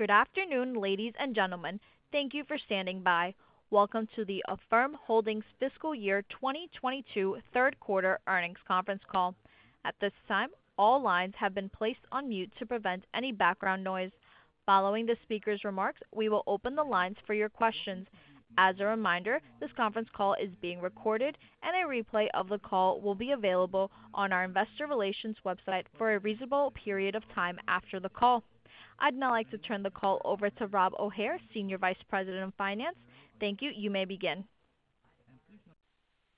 Good afternoon, ladies and gentlemen. Thank you for standing by. Welcome to the Affirm Holdings Fiscal Year 2022 Q3 earnings conference call. At this time, all lines have been placed on mute to prevent any background noise. Following the speaker's remarks, we will open the lines for your questions. As a reminder, this conference call is being recorded and a replay of the call will be available on our investor relations website for a reasonable period of time after the call. I'd now like to turn the call over to Rob O'Hare, SVP of Finance. Thank you. You may begin.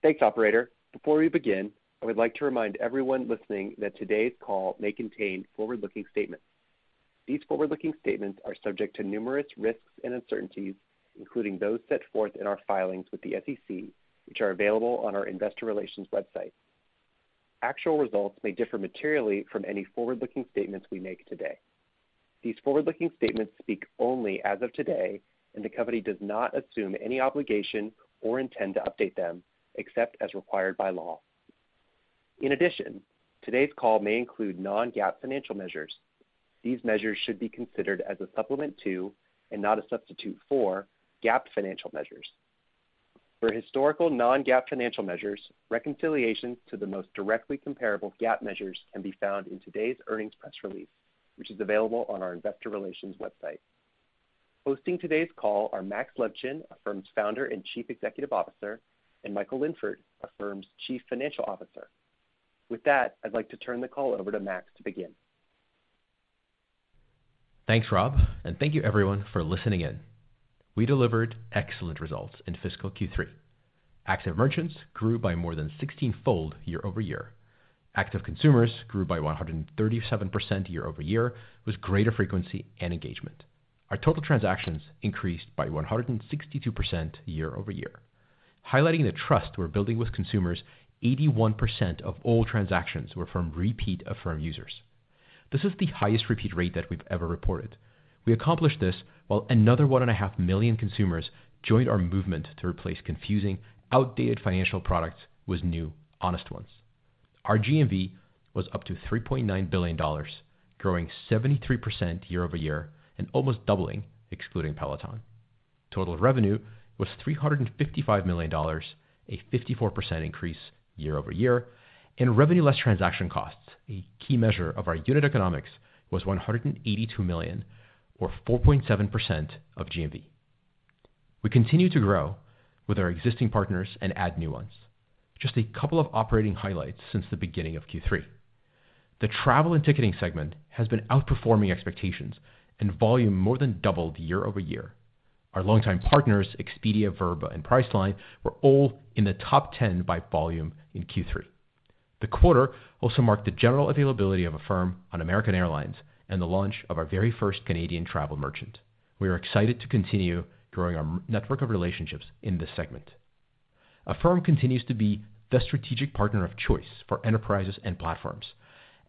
Thanks, operator. Before we begin, I would like to remind everyone listening that today's call may contain forward-looking statements. These forward-looking statements are subject to numerous risks and uncertainties, including those set forth in our filings with the SEC, which are available on our investor relations website. Actual results may differ materially from any forward-looking statements we make today. These forward-looking statements speak only as of today, and the company does not assume any obligation or intend to update them except as required by law. In addition, today's call may include non-GAAP financial measures. These measures should be considered as a supplement to, and not a substitute for, GAAP financial measures. For historical non-GAAP financial measures, reconciliations to the most directly comparable GAAP measures can be found in today's earnings press release, which is available on our investor relations website. Hosting today's call are Max Levchin, Affirm's Founder and CEO, and Michael Linford, Affirm's CFO. With that, I'd like to turn the call over to Max to begin. Thanks, Rob, and thank you everyone for listening in. We delivered excellent results in fiscal Q3. Active merchants grew by more than 16-fold year-over-year. Active consumers grew by 137% year-over-year, with greater frequency and engagement. Our total transactions increased by 162% year-over-year. Highlighting the trust we're building with consumers, 81% of all transactions were from repeat Affirm users. This is the highest repeat rate that we've ever reported. We accomplished this while another 1.5 million consumers joined our movement to replace confusing, outdated financial products with new, honest ones. Our GMV was up to $3.9 billion, growing 73% year-over-year and almost doubling excluding Peloton. Total revenue was $355 million, a 54% increase year-over-year, and revenue less transaction costs. A key measure of our unit economics was $182 million or 4.7% of GMV. We continue to grow with our existing partners and add new ones. Just a couple of operating highlights since the beginning of Q3. The travel and ticketing segment has been outperforming expectations and volume more than doubled year-over-year. Our longtime partners, Expedia, Vrbo, and Priceline, were all in the top 10 by volume in Q3. The quarter also marked the general availability of Affirm on American Airlines and the launch of our very first Canadian travel merchant. We are excited to continue growing our network of relationships in this segment. Affirm continues to be the strategic partner of choice for enterprises and platforms.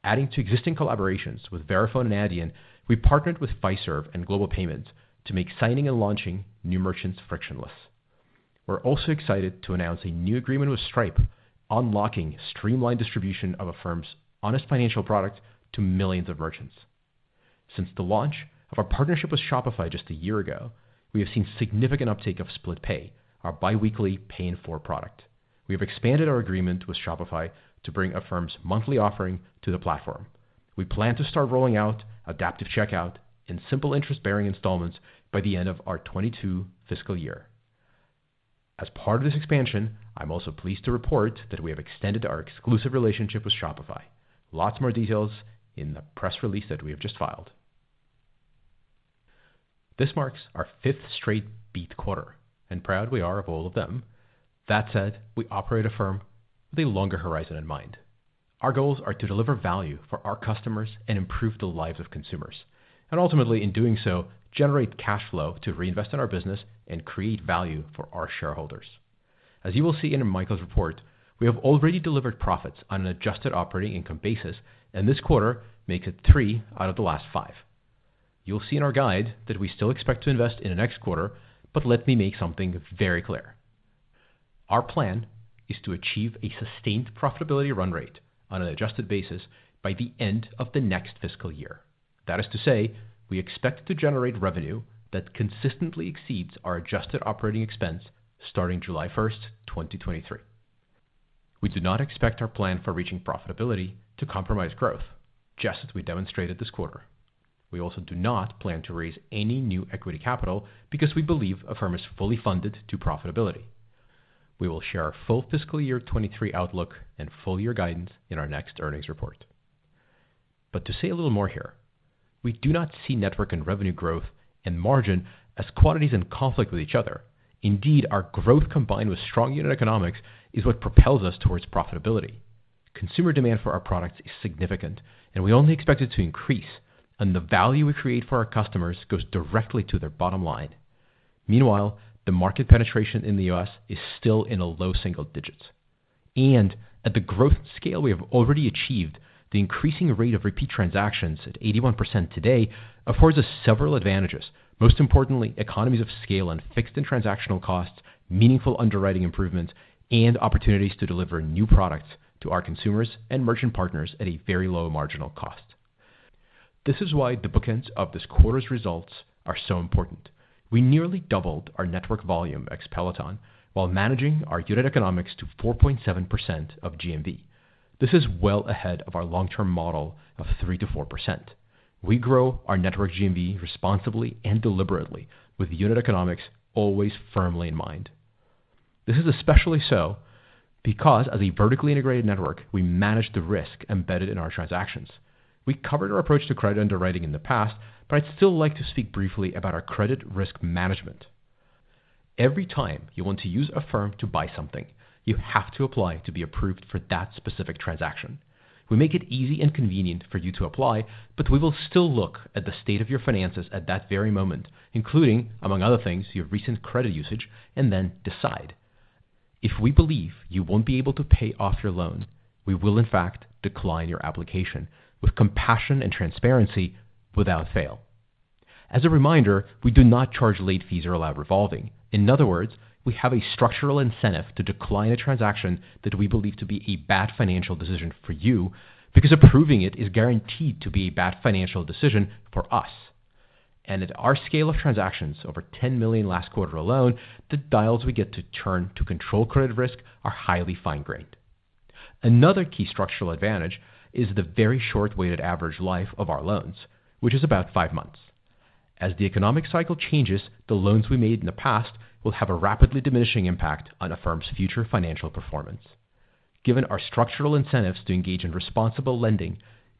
Adding to existing collaborations with Verifone and Adyen, we partnered with Fiserv and Global Payments to make signing and launching new merchants frictionless. We're also excited to announce a new agreement with Stripe, unlocking streamlined distribution of Affirm's honest financial product to millions of merchants. Since the launch of our partnership with Shopify just a year ago, we have seen significant uptake of Split Pay, our bi-weekly pay-in-four product. We have expanded our agreement with Shopify to bring Affirm's monthly offering to the platform. We plan to start rolling out Adaptive Checkout and simple interest-bearing installments by the end of our 2022 fiscal year. As part of this expansion, I'm also pleased to report that we have extended our exclusive relationship with Shopify. Lots more details in the press release that we have just filed. This marks our fifth straight beat quarter, and proud we are of all of them. That said, we operate Affirm with a longer horizon in mind. Our goals are to deliver value for our customers and improve the lives of consumers, and ultimately, in doing so, generate cash flow to reinvest in our business and create value for our shareholders. As you will see in Michael's report, we have already delivered profits on an adjusted operating income basis, and this quarter makes it three out of the last five. You'll see in our guide that we still expect to invest in the next quarter, but let me make something very clear. Our plan is to achieve a sustained profitability run rate on an adjusted basis by the end of the next fiscal year. That is to say, we expect to generate revenue that consistently exceeds our adjusted operating expense starting July 1st 2023. We do not expect our plan for reaching profitability to compromise growth, just as we demonstrated this quarter. We also do not plan to raise any new equity capital because we believe Affirm is fully funded to profitability. We will share our full fiscal year 2023 outlook and full year guidance in our next earnings report. To say a little more here, we do not see network and revenue growth and margin as quantities in conflict with each other. Indeed, our growth combined with strong unit economics is what propels us towards profitability. Consumer demand for our product is significant and we only expect it to increase, and the value we create for our customers goes directly to their bottom line. Meanwhile, the market penetration in the U.S. is still in a low single digits, and at the growth scale we have already achieved, the increasing rate of repeat transactions at 81% today affords us several advantages. Most importantly, economies of scale and fixed and transactional costs, meaningful underwriting improvements, and opportunities to deliver new products to our consumers and merchant partners at a very low marginal cost. This is why the bookends of this quarter's results are so important. We nearly doubled our network volume ex-Peloton while managing our unit economics to 4.7% of GMV. This is well ahead of our long-term model of 3%-4%. We grow our network GMV responsibly and deliberately with unit economics always firmly in mind. This is especially so because as a vertically integrated network, we manage the risk embedded in our transactions. We covered our approach to credit underwriting in the past, but I'd still like to speak briefly about our credit risk management. Every time you want to use Affirm to buy something, you have to apply to be approved for that specific transaction. We make it easy and convenient for you to apply, but we will still look at the state of your finances at that very moment, including, among other things, your recent credit usage, and then decide. If we believe you won't be able to pay off your loan, we will in fact decline your application with compassion and transparency without fail. As a reminder, we do not charge late fees or allow revolving. In other words, we have a structural incentive to decline a transaction that we believe to be a bad financial decision for you because approving it is guaranteed to be a bad financial decision for us. At our scale of transactions, over 10 million last quarter alone, the dials we get to turn to control credit risk are highly fine-grained. Another key structural advantage is the very short weighted average life of our loans, which is about five months. As the economic cycle changes, the loans we made in the past will have a rapidly diminishing impact on Affirm's future financial performance. Given our structural incentives to engage in responsible lending,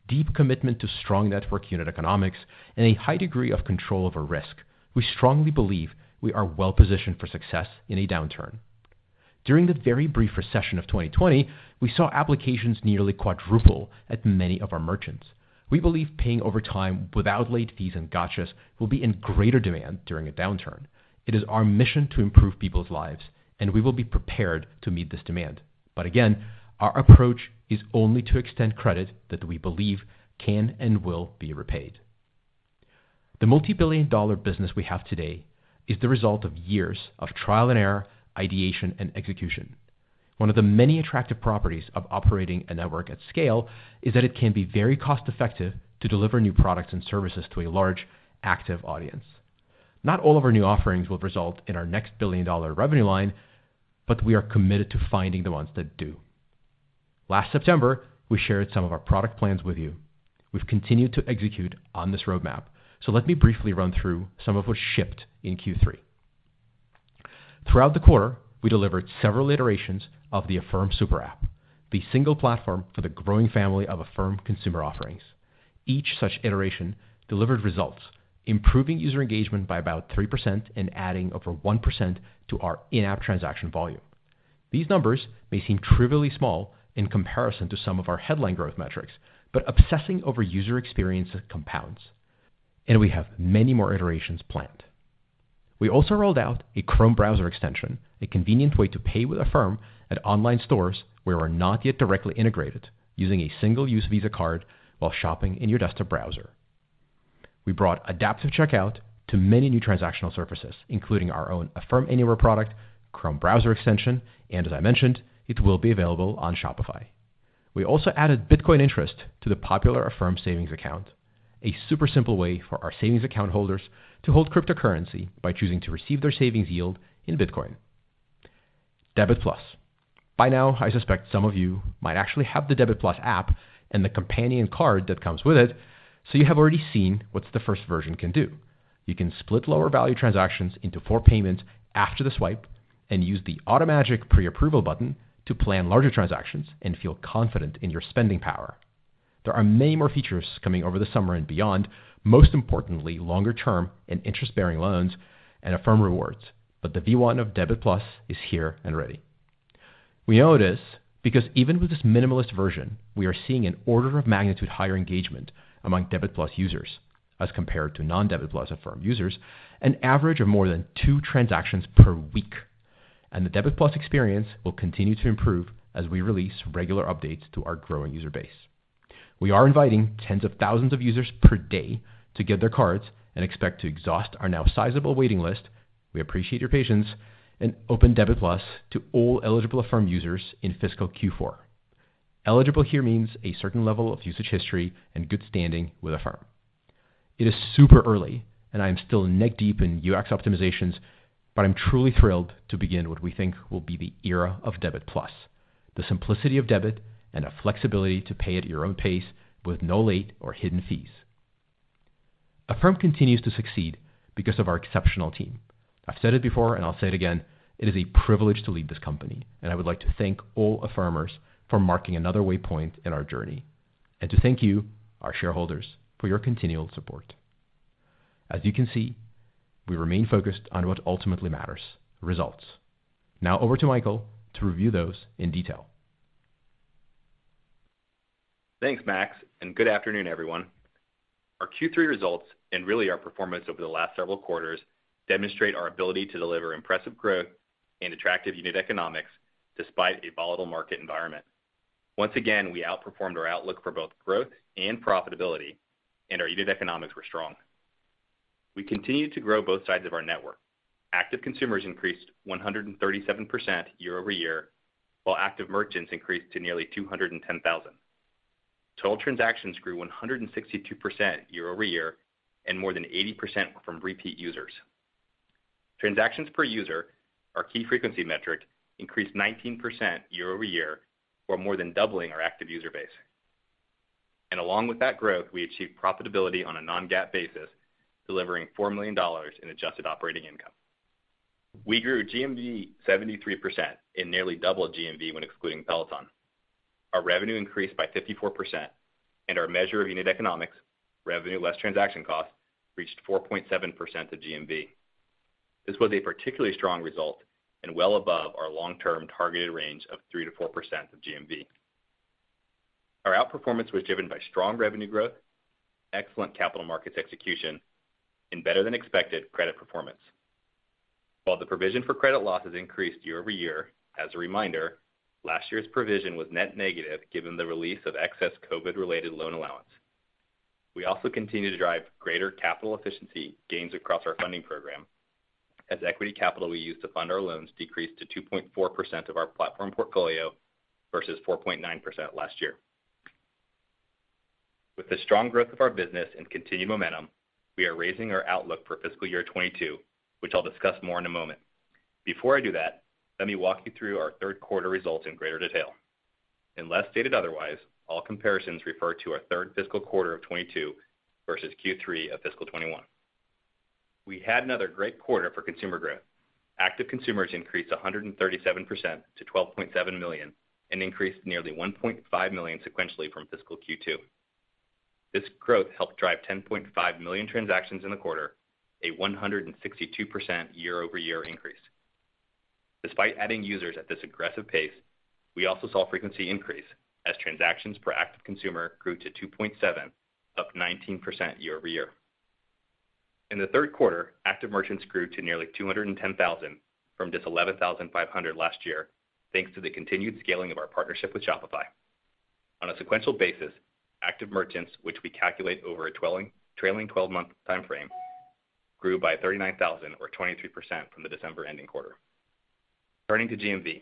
deep commitment to strong network unit economics, and a high degree of control over risk, we strongly believe we are well positioned for success in a downturn. During the very brief recession of 2020, we saw applications nearly quadruple at many of our merchants. We believe paying over time without late fees and gotchas will be in greater demand during a downturn. It is our mission to improve people's lives, and we will be prepared to meet this demand. Again, our approach is only to extend credit that we believe can and will be repaid. The multi-billion dollar business we have today is the result of years of trial and error, ideation, and execution. One of the many attractive properties of operating a network at scale is that it can be very cost effective to deliver new products and services to a large active audience. Not all of our new offerings will result in our next billion-dollar revenue line, but we are committed to finding the ones that do. Last September, we shared some of our product plans with you. We've continued to execute on this roadmap. Let me briefly run through some of what shipped in Q3. Throughout the quarter, we delivered several iterations of the Affirm SuperApp, the single platform for the growing family of Affirm consumer offerings. Each such iteration delivered results, improving user engagement by about 3% and adding over 1% to our in-app transaction volume. These numbers may seem trivially small in comparison to some of our headline growth metrics, but obsessing over user experience compounds, and we have many more iterations planned. We also rolled out a Chrome browser extension, a convenient way to pay with Affirm at online stores where we're not yet directly integrated using a single-use Visa card while shopping in your desktop browser. We brought Adaptive Checkout to many new transactional surfaces, including our own Affirm Anywhere product, Chrome browser extension, and as I mentioned, it will be available on Shopify. We also added Bitcoin interest to the popular Affirm Savings account, a super simple way for our savings account holders to hold cryptocurrency by choosing to receive their savings yield in Bitcoin. Debit+. By now, I suspect some of you might actually have the Debit+ app and the companion card that comes with it, so you have already seen what the first version can do. You can split lower value transactions into four payments after the swipe and use the automatic pre-approval button to plan larger transactions and feel confident in your spending power. There are many more features coming over the summer and beyond, most importantly, longer-term and interest-bearing loans and Affirm Rewards, but the V1 of Debit Plus is here and ready. We know this because even with this minimalist version, we are seeing an order of magnitude higher engagement among Debit Plus users as compared to non-Debit Plus Affirm users, an average of more than two transactions per week. The Debit Plus experience will continue to improve as we release regular updates to our growing user base. We are inviting tens of thousands of users per day to get their cards and expect to exhaust our now sizable waiting list. We appreciate your patience and open Debit Plus to all eligible Affirm users in fiscal Q4. Eligible here means a certain level of usage history and good standing with Affirm. It is super early, and I'm still neck deep in UX optimizations, but I'm truly thrilled to begin what we think will be the era of Debit+, the simplicity of debit and a flexibility to pay at your own pace with no late or hidden fees. Affirm continues to succeed because of our exceptional team. I've said it before, and I'll say it again, it is a privilege to lead this company, and I would like to thank all Affirmers for marking another waypoint in our journey, and to thank you, our shareholders, for your continual support. As you can see, we remain focused on what ultimately matters, results. Now over to Michael to review those in detail. Thanks, Max, and good afternoon, everyone. Our Q3 results, and really our performance over the last several quarters, demonstrate our ability to deliver impressive growth and attractive unit economics despite a volatile market environment. Once again, we outperformed our outlook for both growth and profitability, and our unit economics were strong. We continued to grow both sides of our network. Active consumers increased 137% year over year, while active merchants increased to nearly 210,000. Total transactions grew 162% year over year, and more than 80% were from repeat users. Transactions per user, our key frequency metric, increased 19% year over year, while more than doubling our active user base. Along with that growth, we achieved profitability on a non-GAAP basis, delivering $4 million in adjusted operating income. We grew GMV 73% and nearly doubled GMV when excluding Peloton. Our revenue increased by 54%, and our measure of unit economics, revenue less transaction costs, reached 4.7% of GMV. This was a particularly strong result and well above our long-term targeted range of 3%-4% of GMV. Our outperformance was driven by strong revenue growth, excellent capital markets execution, and better than expected credit performance. While the provision for credit losses increased year-over-year, as a reminder, last year's provision was net negative given the release of excess COVID-related loan allowance. We also continue to drive greater capital efficiency gains across our funding program as equity capital we use to fund our loans decreased to 2.4% of our platform portfolio versus 4.9% last year. With the strong growth of our business and continued momentum, we are raising our outlook for fiscal year 2022, which I'll discuss more in a moment. Before I do that, let me walk you through our Q3 results in greater detail. Unless stated otherwise, all comparisons refer to our Q3 of fiscal 2022 versus Q3 of fiscal 2021. We had another great quarter for consumer growth. Active consumers increased 137% to 12.7 million and increased nearly 1.5 million sequentially from fiscal Q2. This growth helped drive 10.5 million transactions in the quarter, a 162% year-over-year increase. Despite adding users at this aggressive pace, we also saw frequency increase as transactions per active consumer grew to 2.7, up 19% year-over-year. In the third quarter, active merchants grew to nearly 210,000 from just 11,500 last year, thanks to the continued scaling of our partnership with Shopify. On a sequential basis, active merchants, which we calculate over a trailing twelve-month time frame, grew by 39,000 or 23% from the December ending quarter. Turning to GMV.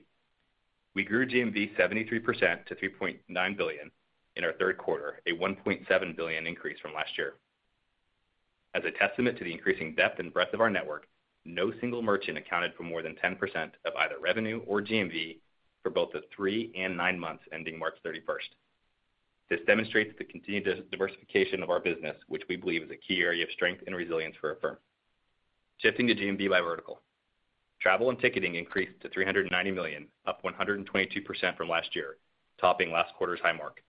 We grew GMV 73% to $3.9 billion in our Q3, a $1.7 billion increase from last year. As a testament to the increasing depth and breadth of our network, no single merchant accounted for more than 10% of either revenue or GMV for both the three and nine months ending March 31. This demonstrates the continued diversification of our business, which we believe is a key area of strength and resilience for Affirm. Shifting to GMV by vertical. Travel and ticketing increased to $390 million, up 122% from last year, topping last quarter's high mark.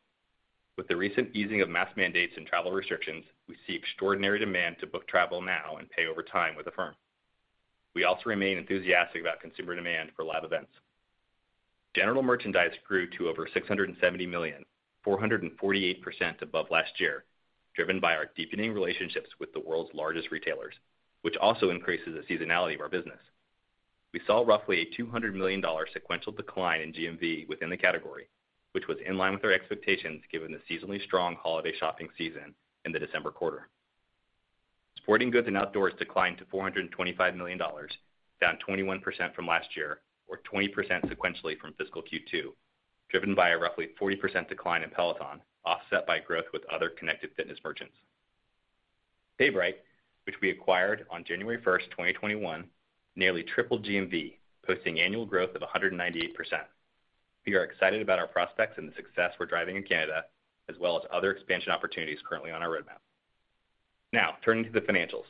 With the recent easing of mask mandates and travel restrictions, we see extraordinary demand to book travel now and pay over time with Affirm. We also remain enthusiastic about consumer demand for live events. General merchandise grew to over $670 million, 448% above last year, driven by our deepening relationships with the world's largest retailers, which also increases the seasonality of our business. We saw roughly a $200 million sequential decline in GMV within the category, which was in line with our expectations given the seasonally strong holiday shopping season in the December quarter. Sporting goods and outdoors declined to $425 million, down 21% from last year or 20% sequentially from fiscal Q2, driven by a roughly 40% decline in Peloton, offset by growth with other connected fitness merchants. PayBright, which we acquired on January 1, 2021, nearly tripled GMV, posting annual growth of 198%. We are excited about our prospects and the success we're driving in Canada, as well as other expansion opportunities currently on our roadmap. Now, turning to the financials.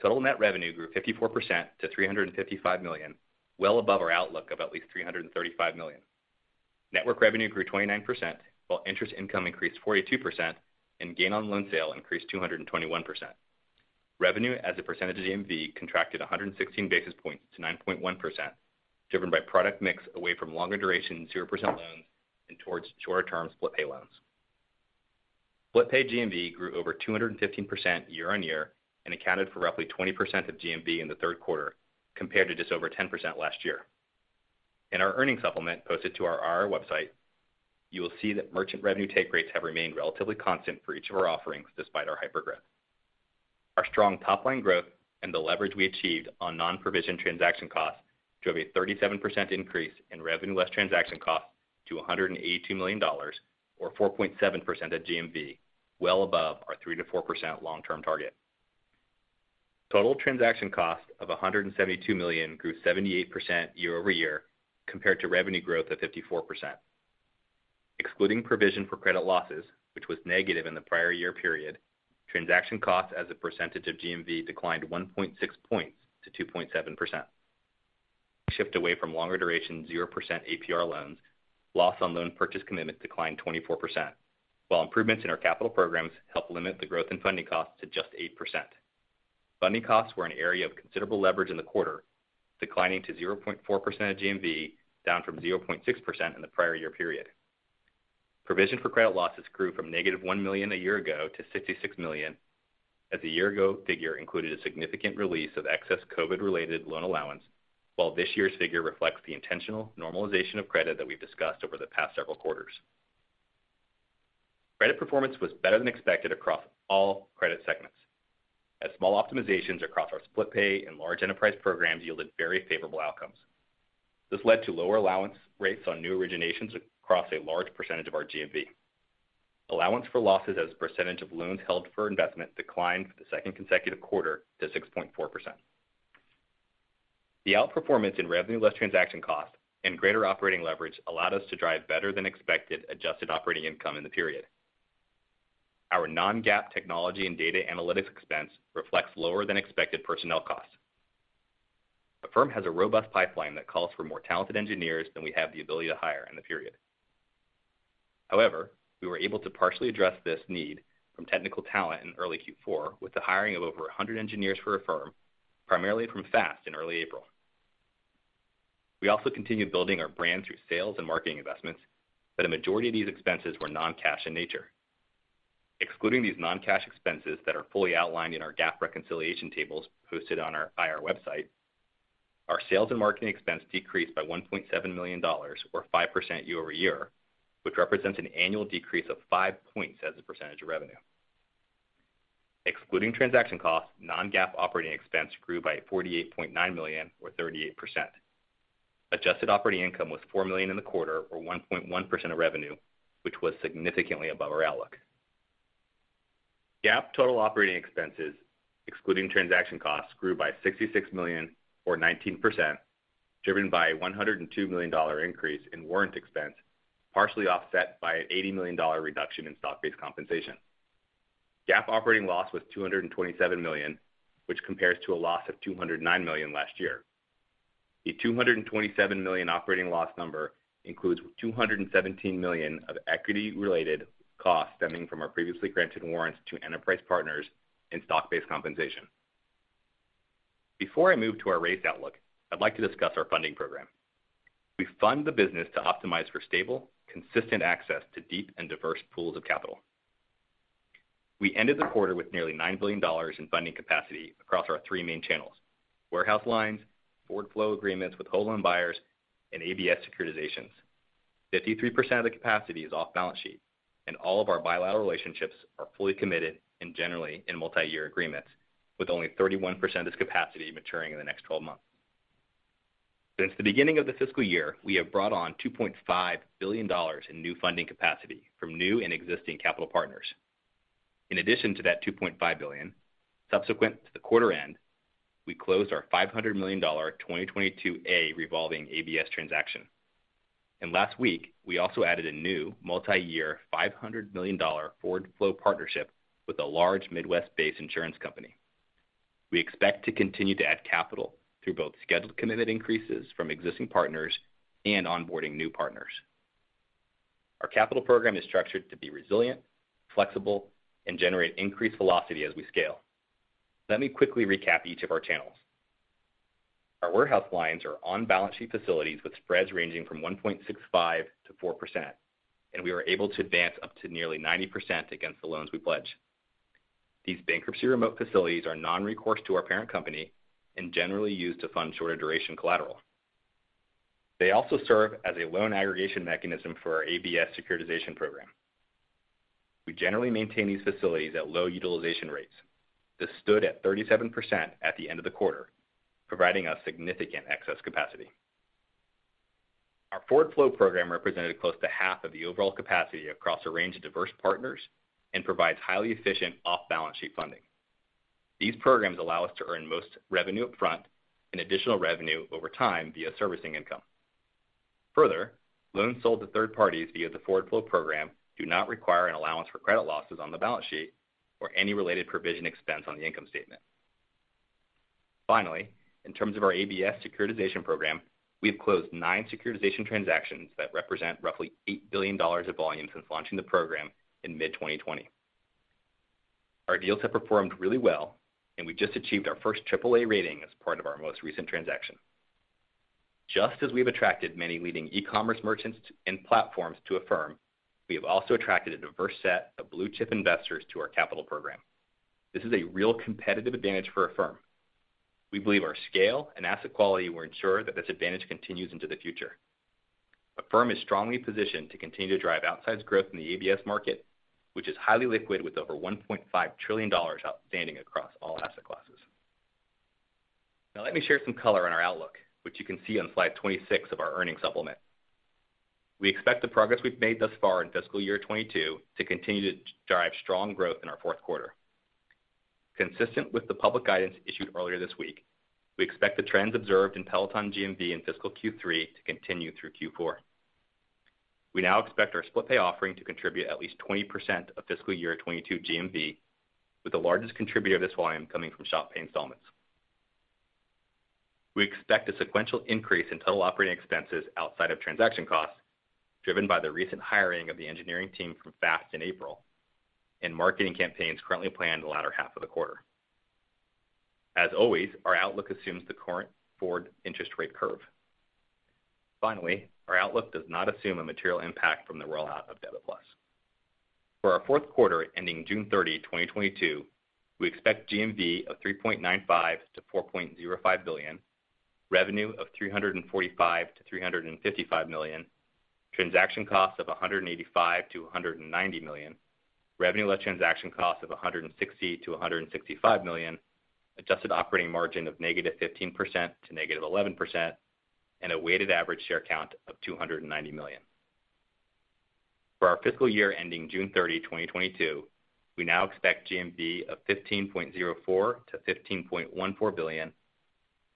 Total net revenue grew 54% to $355 million, well above our outlook of at least $335 million. Network revenue grew 29%, while interest income increased 42%, and gain on loan sale increased 221%. Revenue as a percentage of GMV contracted 116 basis points to 9.1%, driven by product mix away from longer duration zero percent loans and towards shorter-term Split Pay loans. Split Pay GMV grew over 215% year-on-year and accounted for roughly 20% of GMV in the Q3, compared to just over 10% last year. In our earnings supplement posted to our IR website, you will see that merchant revenue take rates have remained relatively constant for each of our offerings despite our hypergrowth. Our strong top-line growth and the leverage we achieved on non-provision transaction costs drove a 37% increase in revenue less transaction costs to $182 million or 4.7% of GMV, well above our 3%-4% long-term target. Total transaction cost of $172 million grew 78% year-over-year compared to revenue growth of 54%. Excluding provision for credit losses, which was negative in the prior year period, transaction costs as a percentage of GMV declined 1.6 points to 2.7%. Shift away from longer duration 0% APR loans, loss on loan purchase commitment declined 24%, while improvements in our capital programs helped limit the growth in funding costs to just 8%. Funding costs were an area of considerable leverage in the quarter, declining to 0.4% of GMV, down from 0.6% in the prior year period. Provision for credit losses grew from -$1 million a year ago to $66 million, as the year ago figure included a significant release of excess COVID-related loan allowance, while this year's figure reflects the intentional normalization of credit that we've discussed over the past several quarters. Credit performance was better than expected across all credit segments, as small optimizations across our Split Pay and large enterprise programs yielded very favorable outcomes. This led to lower allowance rates on new originations across a large percentage of our GMV. Allowance for losses as a percentage of loans held for investment declined for the second consecutive quarter to 6.4%. The outperformance in revenue less transaction costs and greater operating leverage allowed us to drive better than expected adjusted operating income in the period. Our non-GAAP technology and data analytics expense reflects lower than expected personnel costs. Affirm has a robust pipeline that calls for more talented engineers than we have the ability to hire in the period. However, we were able to partially address this need from technical talent in early Q4 with the hiring of over 100 engineers for Affirm, primarily from Fast in early April. We also continued building our brand through sales and marketing investments, but a majority of these expenses were non-cash in nature. Excluding these non-cash expenses that are fully outlined in our GAAP reconciliation tables hosted on our IR website, our sales and marketing expense decreased by $1.7 million or 5% year-over-year, which represents an annual decrease of five points as a percentage of revenue. Excluding transaction costs, non-GAAP operating expense grew by $48.9 million or 38%. Adjusted operating income was $4 million in the quarter or 1.1% of revenue, which was significantly above our outlook. GAAP total operating expenses, excluding transaction costs, grew by $66 million or 19%, driven by a $102 million increase in warrant expense, partially offset by an $80 million reduction in stock-based compensation. GAAP operating loss was $227 million, which compares to a loss of $209 million last year. The $227 million operating loss number includes $217 million of equity-related costs stemming from our previously granted warrants to enterprise partners in stock-based compensation. Before I move to our raised outlook, I'd like to discuss our funding program. We fund the business to optimize for stable, consistent access to deep and diverse pools of capital. We ended the quarter with nearly $9 billion in funding capacity across our three main channels, warehouse lines, forward flow agreements with whole loan buyers, and ABS securitizations. 53% of the capacity is off balance sheet, and all of our bilateral relationships are fully committed and generally in multi-year agreements, with only 31% of this capacity maturing in the next twelve months. Since the beginning of the fiscal year, we have brought on $2.5 billion in new funding capacity from new and existing capital partners. In addition to that $2.5 billion, subsequent to the quarter end, we closed our $500 million 2022-A revolving ABS transaction. Last week, we also added a new multi-year $500 million forward flow partnership with a large Midwest-based insurance company. We expect to continue to add capital through both scheduled commitment increases from existing partners and onboarding new partners. Our capital program is structured to be resilient, flexible, and generate increased velocity as we scale. Let me quickly recap each of our channels. Our warehouse lines are on-balance sheet facilities with spreads ranging from 1.65% to 4%, and we are able to advance up to nearly 90% against the loans we pledge. These bankruptcy remote facilities are non-recourse to our parent company and generally used to fund shorter duration collateral. They also serve as a loan aggregation mechanism for our ABS securitization program. We generally maintain these facilities at low utilization rates. This stood at 37% at the end of the quarter, providing us significant excess capacity. Our forward flow program represented close to half of the overall capacity across a range of diverse partners and provides highly efficient off-balance sheet funding. These programs allow us to earn most revenue up front and additional revenue over time via servicing income. Further, loans sold to third parties via the forward flow program do not require an allowance for credit losses on the balance sheet or any related provision expense on the income statement. Finally, in terms of our ABS securitization program, we have closed nine securitization transactions that represent roughly $8 billion of volume since launching the program in mid-2020. Our deals have performed really well, and we just achieved our first triple A rating as part of our most recent transaction. Just as we've attracted many leading e-commerce merchants and platforms to Affirm, we have also attracted a diverse set of blue-chip investors to our capital program. This is a real competitive advantage for Affirm. We believe our scale and asset quality will ensure that this advantage continues into the future. Affirm is strongly positioned to continue to drive outsized growth in the ABS market, which is highly liquid with over $1.5 trillion outstanding across all asset classes. Now let me share some color on our outlook, which you can see on slide 26 of our earnings supplement. We expect the progress we've made thus far in fiscal year 2022 to continue to drive strong growth in our fourth quarter. Consistent with the public guidance issued earlier this week, we expect the trends observed in Peloton GMV in fiscal Q3 to continue through Q4. We now expect our Split Pay offering to contribute at least 20% of fiscal year 2022 GMV, with the largest contributor of this volume coming from Shop Pay Installments. We expect a sequential increase in total operating expenses outside of transaction costs, driven by the recent hiring of the engineering team from Fast in April and marketing campaigns currently planned the latter half of the quarter. As always, our outlook assumes the current forward interest rate curve. Finally, our outlook does not assume a material impact from the rollout of Debit+. For our Q4 ending June 30, 2022, we expect GMV of $3.95 billion-$4.05 billion, revenue of $345 million-$355 million, transaction costs of $185 million-$190 million, revenue less transaction costs of $160 million-$165 million, adjusted operating margin of -15% to -11%, and a weighted average share count of 290 million. For our fiscal year ending June 30, 2022, we now expect GMV of $15.04-$15.14 billion,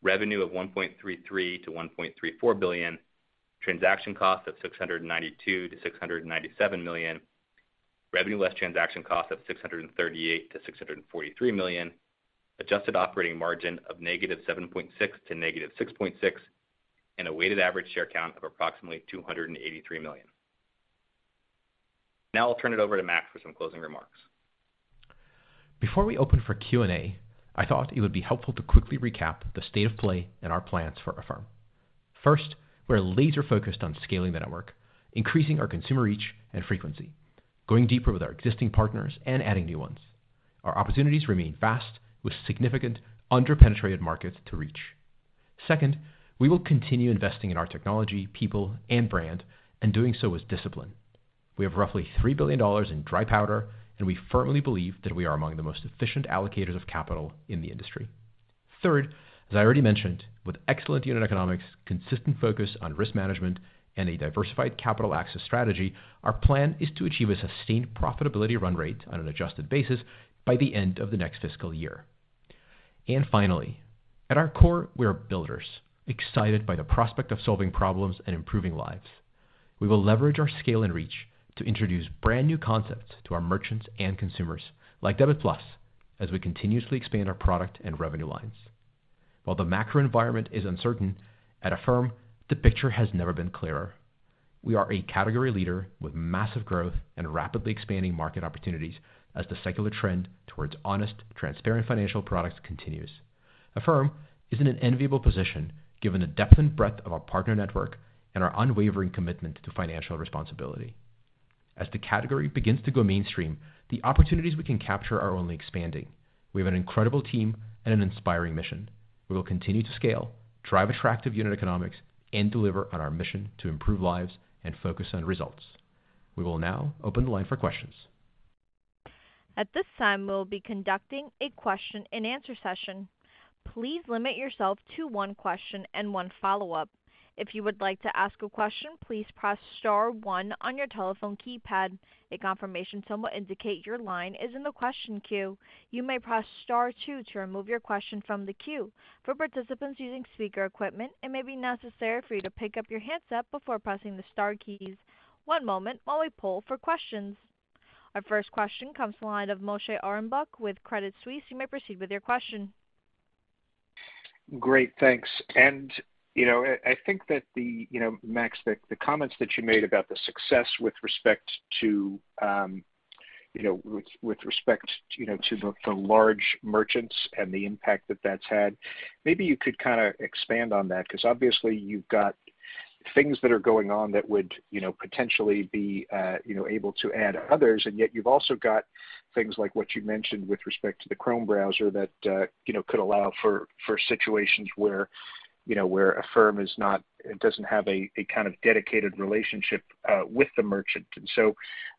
revenue of $1.33-$1.34 billion, transaction costs of $692-$697 million, revenue less transaction costs of $638-$643 million, adjusted operating margin of -7.6% to -6.6%, and a weighted average share count of approximately 283 million. Now I'll turn it over to Max for some closing remarks. Before we open for Q&A, I thought it would be helpful to quickly recap the state of play and our plans for Affirm. First, we are laser-focused on scaling the network, increasing our consumer reach and frequency, going deeper with our existing partners and adding new ones. Our opportunities remain vast, with significant under-penetrated markets to reach. Second, we will continue investing in our technology, people, and brand, and doing so with discipline. We have roughly $3 billion in dry powder, and we firmly believe that we are among the most efficient allocators of capital in the industry. Third, as I already mentioned, with excellent unit economics, consistent focus on risk management, and a diversified capital access strategy, our plan is to achieve a sustained profitability run rate on an adjusted basis by the end of the next fiscal year. Finally, at our core, we are builders, excited by the prospect of solving problems and improving lives. We will leverage our scale and reach to introduce brand-new concepts to our merchants and consumers, like Debit Plus, as we continuously expand our product and revenue lines. While the macro environment is uncertain, at Affirm, the picture has never been clearer. We are a category leader with massive growth and rapidly expanding market opportunities as the secular trend towards honest, transparent financial products continues. Affirm is in an enviable position given the depth and breadth of our partner network and our unwavering commitment to financial responsibility. As the category begins to go mainstream, the opportunities we can capture are only expanding. We have an incredible team and an inspiring mission. We will continue to scale, drive attractive unit economics, and deliver on our mission to improve lives and focus on results. We will now open the line for questions. At this time, we will be conducting a question-and-answer session. Please limit yourself to one question and one follow-up. If you would like to ask a question, please press star one on your telephone keypad. A confirmation tone will indicate your line is in the question queue. You may press star two to remove your question from the queue. For participants using speaker equipment, it may be necessary for you to pick up your handset before pressing the star keys. One moment while we poll for questions. Our first question comes from the line of Moshe Orenbuch with Credit Suisse. You may proceed with your question. Great. Thanks. You know, I think that, you know, Max, the comments that you made about the success with respect to, you know, with respect to the large merchants and the impact that that's had, maybe you could kind of expand on that because obviously you've got things that are going on that would, you know, potentially be, you know, able to add others, and yet you've also got things like what you mentioned with respect to the Chrome browser that, you know, could allow for situations where, you know, where Affirm is not, it doesn't have a kind of dedicated relationship with the merchant.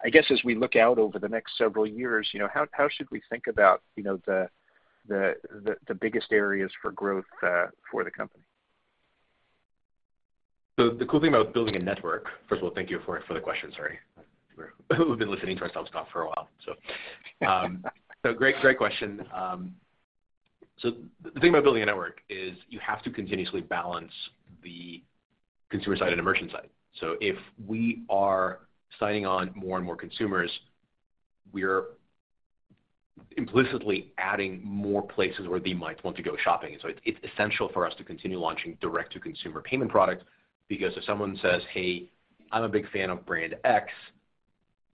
I guess as we look out over the next several years, you know, how should we think about, you know, the biggest areas for growth, for the company? First of all, thank you for the question. Sorry. We've been listening to ourselves talk for a while. Great question. The thing about building a network is you have to continuously balance the consumer side and the merchant side. If we are signing on more and more consumers, we're implicitly adding more places where they might want to go shopping. It's essential for us to continue launching direct-to-consumer payment products because if someone says, "Hey, I'm a big fan of brand X,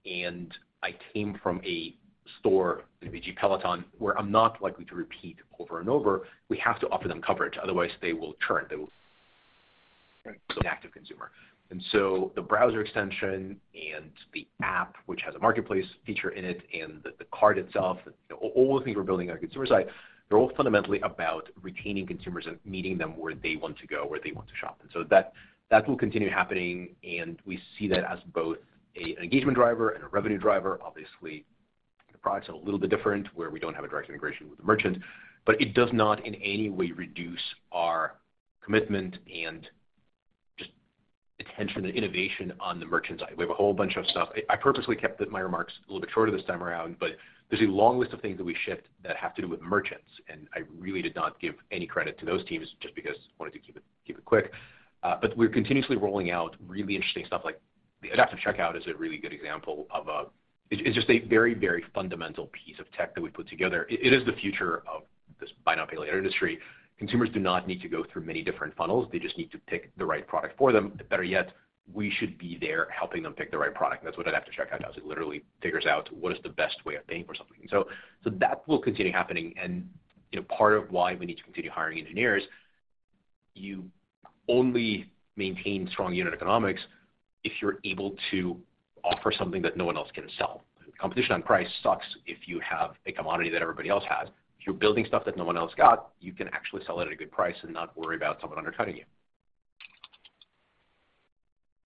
and I came from a store," e.g., Peloton, "where I'm not likely to repeat over and over," we have to offer them coverage, otherwise they will churn. They will. Right. An active consumer. The browser extension and the app, which has a marketplace feature in it and the card itself, you know, all the things we're building on the consumer side, they're all fundamentally about retaining consumers and meeting them where they want to go, where they want to shop. That will continue happening, and we see that as both an engagement driver and a revenue driver. Obviously, the products are a little bit different where we don't have a direct integration with the merchant, but it does not in any way reduce our commitment and just attention to innovation on the merchant side. We have a whole bunch of stuff. I purposely kept my remarks a little bit shorter this time around, but there's a long list of things that we shipped that have to do with merchants, and I really did not give any credit to those teams just because I wanted to keep it quick. We're continuously rolling out really interesting stuff like Adaptive Checkout is a really good example of. It's just a very, very fundamental piece of tech that we put together. It is the future of this buy now, pay later industry. Consumers do not need to go through many different funnels. They just need to pick the right product for them. Better yet, we should be there helping them pick the right product. That's what Adaptive Checkout does. It literally figures out what is the best way of paying for something. that will continue happening. You know, part of why we need to continue hiring engineers, you only maintain strong unit economics if you're able to offer something that no one else can sell. Competition on price sucks if you have a commodity that everybody else has. If you're building stuff that no one else got, you can actually sell it at a good price and not worry about someone undercutting you.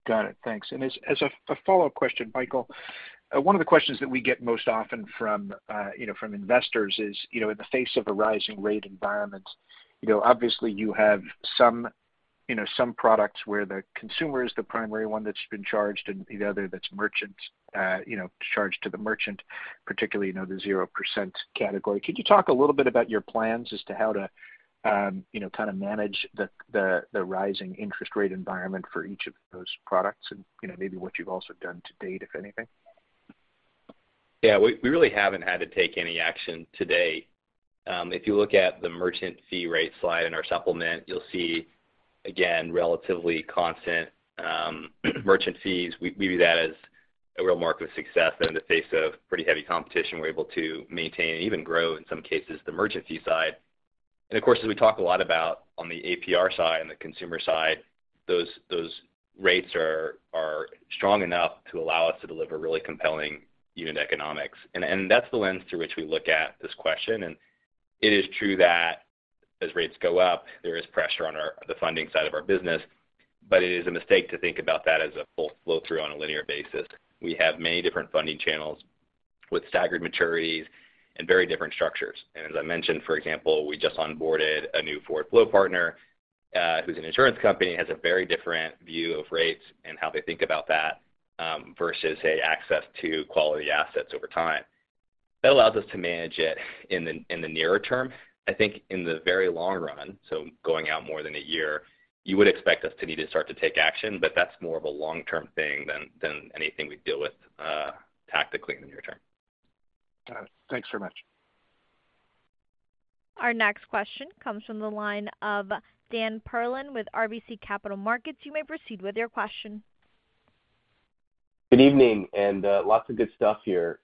Got it. Thanks. As a follow-up question, Michael, one of the questions that we get most often from, you know, from investors is, you know, in the face of a rising rate environment, you know, obviously you have some, you know, some products where the consumer is the primary one that's been charged, and the other that's merchant, you know, charged to the merchant, particularly, you know, the zero percent category. Could you talk a little bit about your plans as to how to, you know, kind of manage the rising interest rate environment for each of those products and, you know, maybe what you've also done to date, if anything? Yeah. We really haven't had to take any action to date. If you look at the merchant fee rate slide in our supplement, you'll see again relatively constant merchant fees. We view that as a real mark of success that in the face of pretty heavy competition, we're able to maintain and even grow, in some cases, the merchant fee side. Of course, as we talk a lot about on the APR side and the consumer side, those rates are strong enough to allow us to deliver really compelling unit economics. That's the lens through which we look at this question. It is true that as rates go up, there is pressure on our funding side of our business. It is a mistake to think about that as a full flow-through on a linear basis. We have many different funding channels with staggered maturities and very different structures. As I mentioned, for example, we just onboarded a new forward flow partner, who's an insurance company, has a very different view of rates and how they think about that, versus, say, access to quality assets over time. That allows us to manage it in the nearer term. I think in the very long run, going out more than a year, you would expect us to need to start to take action, but that's more of a long-term thing than anything we deal with tactically in the near term. Got it. Thanks very much. Our next question comes from the line of Dan Perlin with RBC Capital Markets. You may proceed with your question. Good evening, lots of good stuff here.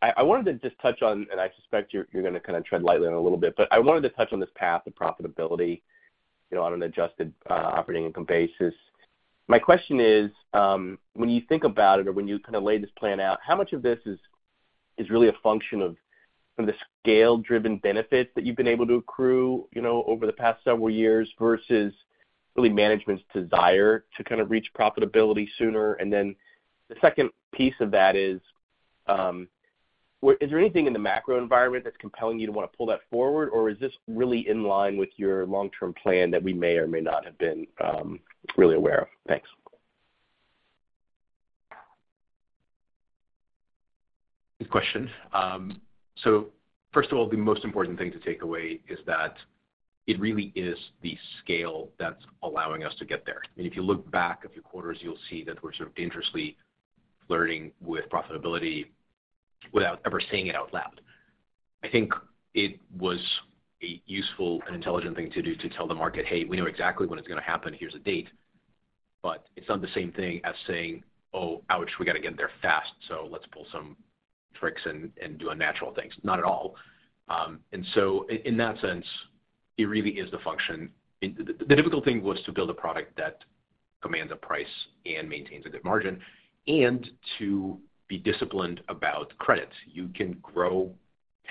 I wanted to just touch on, and I suspect you're gonna kind of tread lightly on it a little bit, but I wanted to touch on this path to profitability, you know, on an adjusted operating income basis. My question is, when you think about it or when you kind of lay this plan out, how much of this is really a function of some of the scale-driven benefits that you've been able to accrue, you know, over the past several years versus really management's desire to kind of reach profitability sooner? Then the second piece of that is there anything in the macro environment that's compelling you to want to pull that forward? Is this really in line with your long-term plan that we may or may not have been, really aware of? Thanks. Good question. So first of all, the most important thing to take away is that it really is the scale that's allowing us to get there. I mean, if you look back a few quarters, you'll see that we're sort of dangerously flirting with profitability without ever saying it out loud. I think it was a useful and intelligent thing to do to tell the market, "Hey, we know exactly when it's gonna happen. Here's a date." It's not the same thing as saying, "Oh, ouch, we gotta get there fast, so let's pull some tricks and do unnatural things." Not at all. In that sense, it really is the function. The difficult thing was to build a product that commands a price and maintains a good margin and to be disciplined about credit. You can grow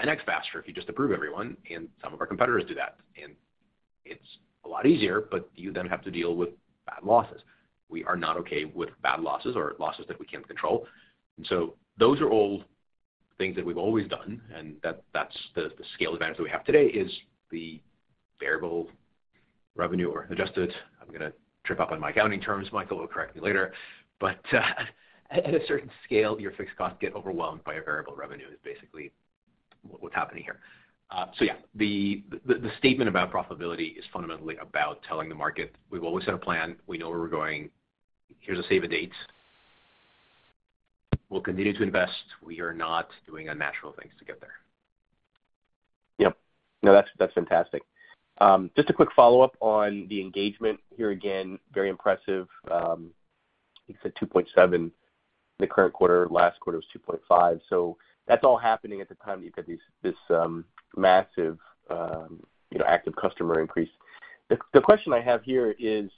10x faster if you just approve everyone, and some of our competitors do that. It's a lot easier, but you then have to deal with bad losses. We are not okay with bad losses or losses that we can't control. Those are all things that we've always done, and that's the scale advantage that we have today is the variable revenue or adjusted. I'm gonna trip up on my accounting terms. Michael will correct me later. At a certain scale, your fixed costs get overwhelmed by your variable revenue, is basically what's happening here. The statement about profitability is fundamentally about telling the market we've always had a plan. We know where we're going. Here's a save the dates. We'll continue to invest. We are not doing unnatural things to get there. Yep. No, that's fantastic. Just a quick follow-up on the engagement. Here again, very impressive. I think you said 2.7 the current quarter. Last quarter was 2.5. That's all happening at the time that you've had this massive, you know, active customer increase. The question I have here is,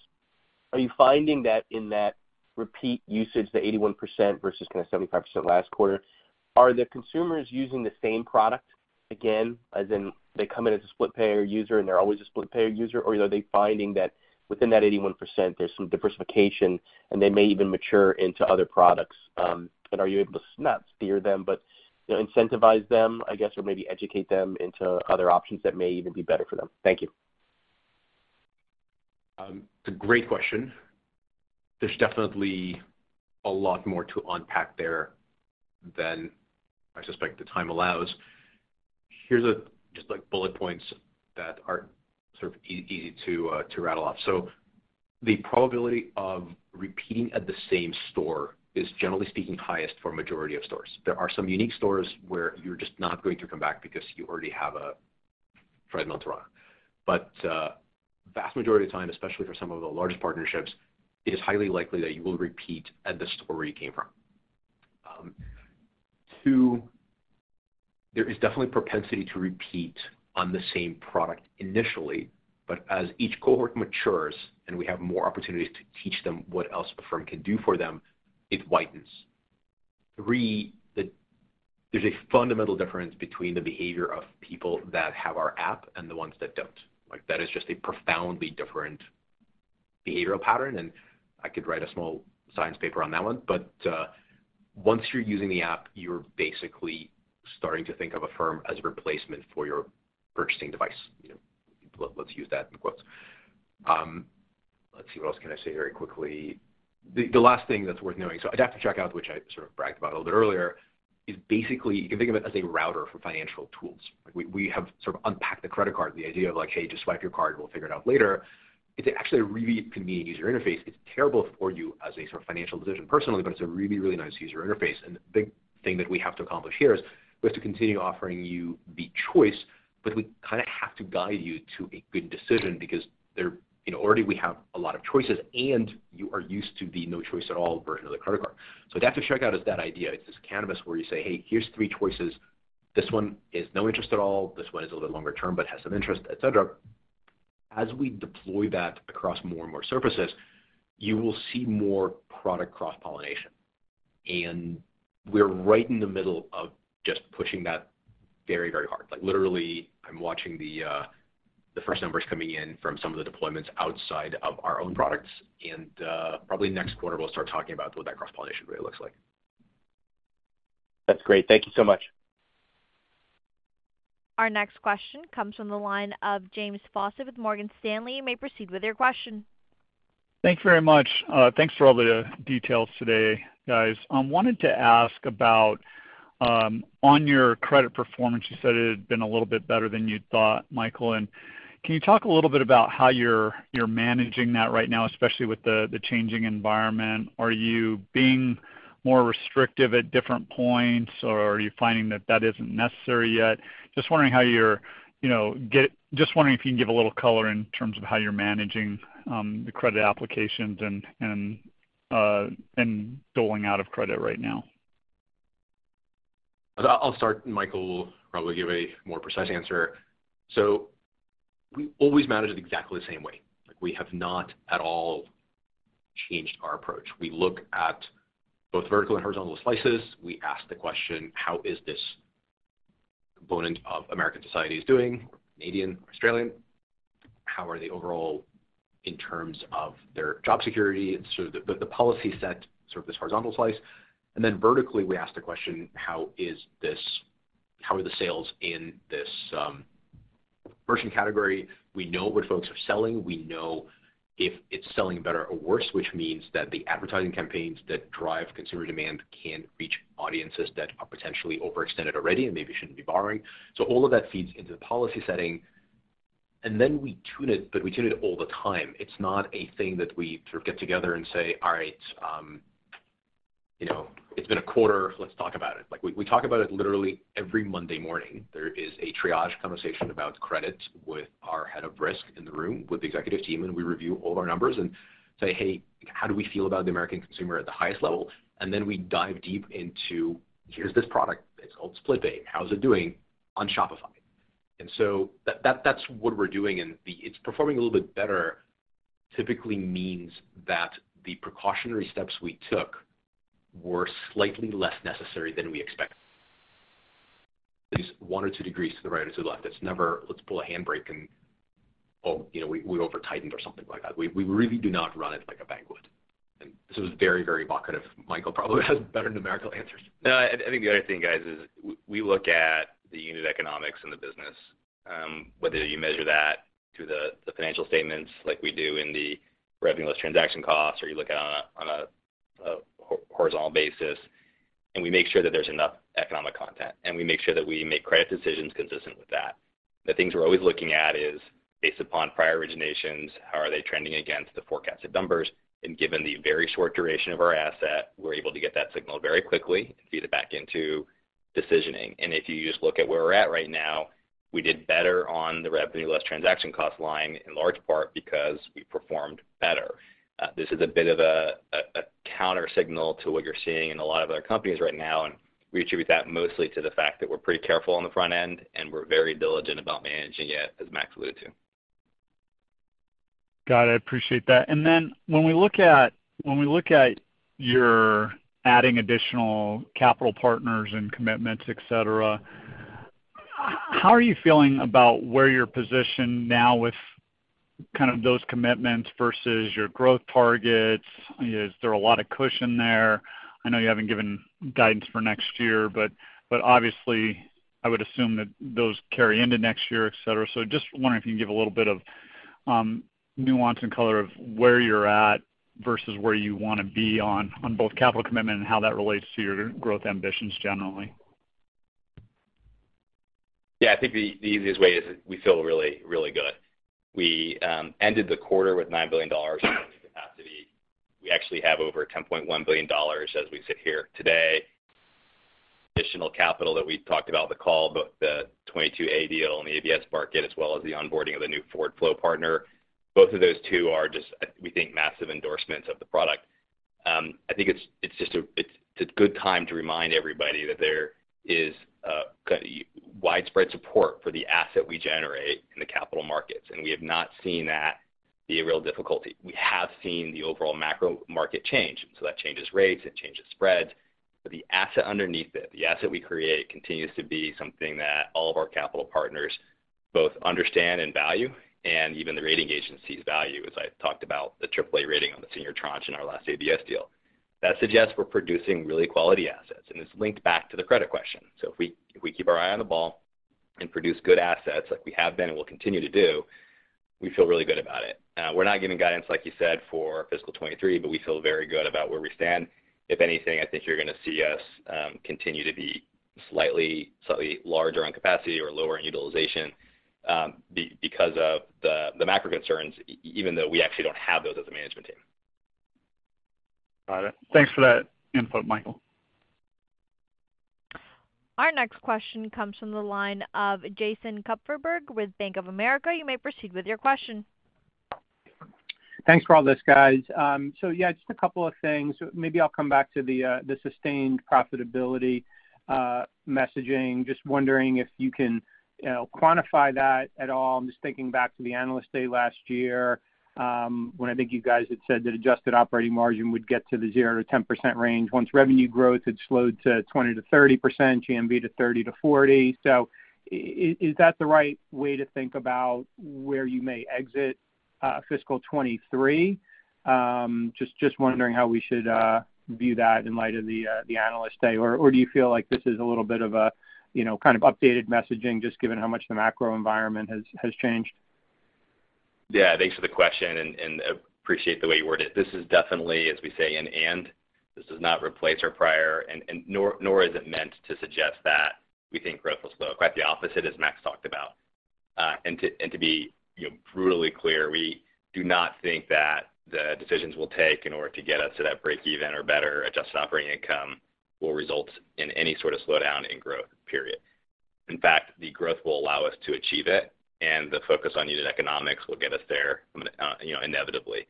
are you finding that in that repeat usage, the 81% versus kind of 75% last quarter, are the consumers using the same product again? As in they come in as a Split Pay user, and they're always a Split Pay user, or are they finding that within that 81%, there's some diversification, and they may even mature into other products, and are you able to not steer them, but, you know, incentivize them, I guess, or maybe educate them into other options that may even be better for them? Thank you. It's a great question. There's definitely a lot more to unpack there than I suspect the time allows. Here's just, like, bullet points that are sort of easy to rattle off. The probability of repeating at the same store is, generally speaking, highest for a majority of stores. There are some unique stores where you're just not going to come back because you already have a Peloton. Vast majority of the time, especially for some of the largest partnerships, it is highly likely that you will repeat at the store where you came from. Two, there is definitely propensity to repeat on the same product initially, but as each cohort matures and we have more opportunities to teach them what else Affirm can do for them, it widens. Three, there's a fundamental difference between the behavior of people that have our app and the ones that don't. Like, that is just a profoundly different behavioral pattern, and I could write a small science paper on that one. Once you're using the app, you're basically starting to think of Affirm as a replacement for your purchasing device. You know, let's use that in quotes. Let's see, what else can I say very quickly? The last thing that's worth knowing, Adaptive Checkout, which I sort of bragged about a little bit earlier, is basically you can think of it as a router for financial tools. Like, we have sort of unpacked the credit card, the idea of like, "Hey, just swipe your card, we'll figure it out later." It's actually a really convenient user interface. It's terrible for you as a sort of financial decision personally, but it's a really, really nice user interface. The big thing that we have to accomplish here is we have to continue offering you the choice, but we kind of have to guide you to a good decision because there, you know, already we have a lot of choices and you are used to the no choice at all version of the credit card. Adaptive Checkout is that idea. It's this canvas where you say, "Hey, here's three choices. This one is no interest at all. This one is a little bit longer term, but has some interest," et cetera. As we deploy that across more and more surfaces, you will see more product cross-pollination. We're right in the middle of just pushing that very, very hard. Like, literally, I'm watching the first numbers coming in from some of the deployments outside of our own products, and probably next quarter we'll start talking about what that cross-pollination really looks like. That's great. Thank you so much. Our next question comes from the line of James Faucette with Morgan Stanley. You may proceed with your question. Thank you very much. Thanks for all the details today, guys. Wanted to ask about on your credit performance, you said it had been a little bit better than you'd thought, Michael. Can you talk a little bit about how you're managing that right now, especially with the changing environment? Are you being more restrictive at different points or are you finding that isn't necessary yet? Just wondering if you can give a little color in terms of how you're managing the credit applications and doling out of credit right now. I'll start, and Michael will probably give a more precise answer. We always manage it exactly the same way. Like, we have not at all changed our approach. We look at both vertical and horizontal slices. We ask the question, how is this component of American societies doing, or Canadian or Australian? How are they overall in terms of their job security and sort of the policy set, sort of this horizontal slice? Then vertically, we ask the question, how are the sales in this merchant category? We know what folks are selling. We know if it's selling better or worse, which means that the advertising campaigns that drive consumer demand can reach audiences that are potentially overextended already and maybe shouldn't be borrowing. All of that feeds into the policy setting. We tune it, but we tune it all the time. It's not a thing that we sort of get together and say, "All right, you know, it's been a quarter, let's talk about it." Like, we talk about it literally every Monday morning. There is a triage conversation about credit with our head of risk in the room with the executive team, and we review all of our numbers and say, "Hey, how do we feel about the American consumer at the highest level?" We dive deep into, here's this product. It's called Split Pay. How's it doing on Shopify? That's what we're doing. Then it's performing a little bit better typically means that the precautionary steps we took were slightly less necessary than we expected. It's one or two degrees to the right or to the left. It's never let's pull a handbrake and oh you know we overtightened or something like that. We really do not run it like a bank would. This was very evocative. Michael probably has better numerical answers. No, I think the other thing, guys, is we look at the unit economics in the business, whether you measure that through the financial statements like we do in the revenue less transaction costs or you look at it on a horizontal basis, and we make sure that there's enough economic content, and we make sure that we make credit decisions consistent with that. The things we're always looking at is based upon prior originations, how are they trending against the forecasted numbers? Given the very short duration of our asset, we're able to get that signal very quickly and feed it back into decisioning. If you just look at where we're at right now, we did better on the revenue less transaction cost line in large part because we performed better. This is a bit of a counter signal to what you're seeing in a lot of other companies right now, and we attribute that mostly to the fact that we're pretty careful on the front end, and we're very diligent about managing it, as Max alluded to. Got it. Appreciate that. When we look at you're adding additional capital partners and commitments, et cetera, how are you feeling about where you're positioned now with kind of those commitments versus your growth targets? Is there a lot of cushion there? I know you haven't given guidance for next year, but obviously I would assume that those carry into next year, et cetera. Just wondering if you can give a little bit of nuance and color of where you're at versus where you wanna be on both capital commitment and how that relates to your growth ambitions generally. I think the easiest way is we feel really, really good. We ended the quarter with $9 billion. We actually have over $10.1 billion as we sit here today. Additional capital that we talked about the call, both the 2022-A deal and the ABS market, as well as the onboarding of the new forward flow partner. Both of those two are just, we think massive endorsements of the product. I think it's just a good time to remind everybody that there is widespread support for the asset we generate in the capital markets, and we have not seen that be a real difficulty. We have seen the overall macro market change, so that changes rates, it changes spreads. The asset underneath it, the asset we create, continues to be something that all of our capital partners both understand and value, and even the rating agencies value, as I talked about the AAA rating on the senior tranche in our last ABS deal. That suggests we're producing really quality assets, and it's linked back to the credit question. If we keep our eye on the ball and produce good assets like we have been and will continue to do, we feel really good about it. We're not giving guidance, like you said, for fiscal 2023, but we feel very good about where we stand. If anything, I think you're gonna see us continue to be slightly larger on capacity or lower in utilization, because of the macro concerns, even though we actually don't have those as a management team. Got it. Thanks for that input, Michael. Our next question comes from the line of Jason Kupferberg with Bank of America. You may proceed with your question. Thanks for all this, guys. Yeah, just a couple of things. Maybe I'll come back to the sustained profitability messaging. Just wondering if you can quantify that at all. I'm just thinking back to the Analyst Day last year, when I think you guys had said that adjusted operating margin would get to the 0%-10% range once revenue growth had slowed to 20%-30%, GMV to 30%-40%. Is that the right way to think about where you may exit fiscal 2023? Just wondering how we should view that in light of the Analyst Day, or do you feel like this is a little bit of a updated messaging just given how much the macro environment has changed? Yeah. Thanks for the question and appreciate the way you word it. This is definitely, as we say, an and. This does not replace our prior and nor is it meant to suggest that we think growth will slow. Quite the opposite, as Max talked about. To be, you know, brutally clear, we do not think that the decisions we'll take in order to get us to that break even or better adjusted operating income will result in any sort of slowdown in growth period. In fact, the growth will allow us to achieve it, and the focus on unit economics will get us there from there, you know, inevitably.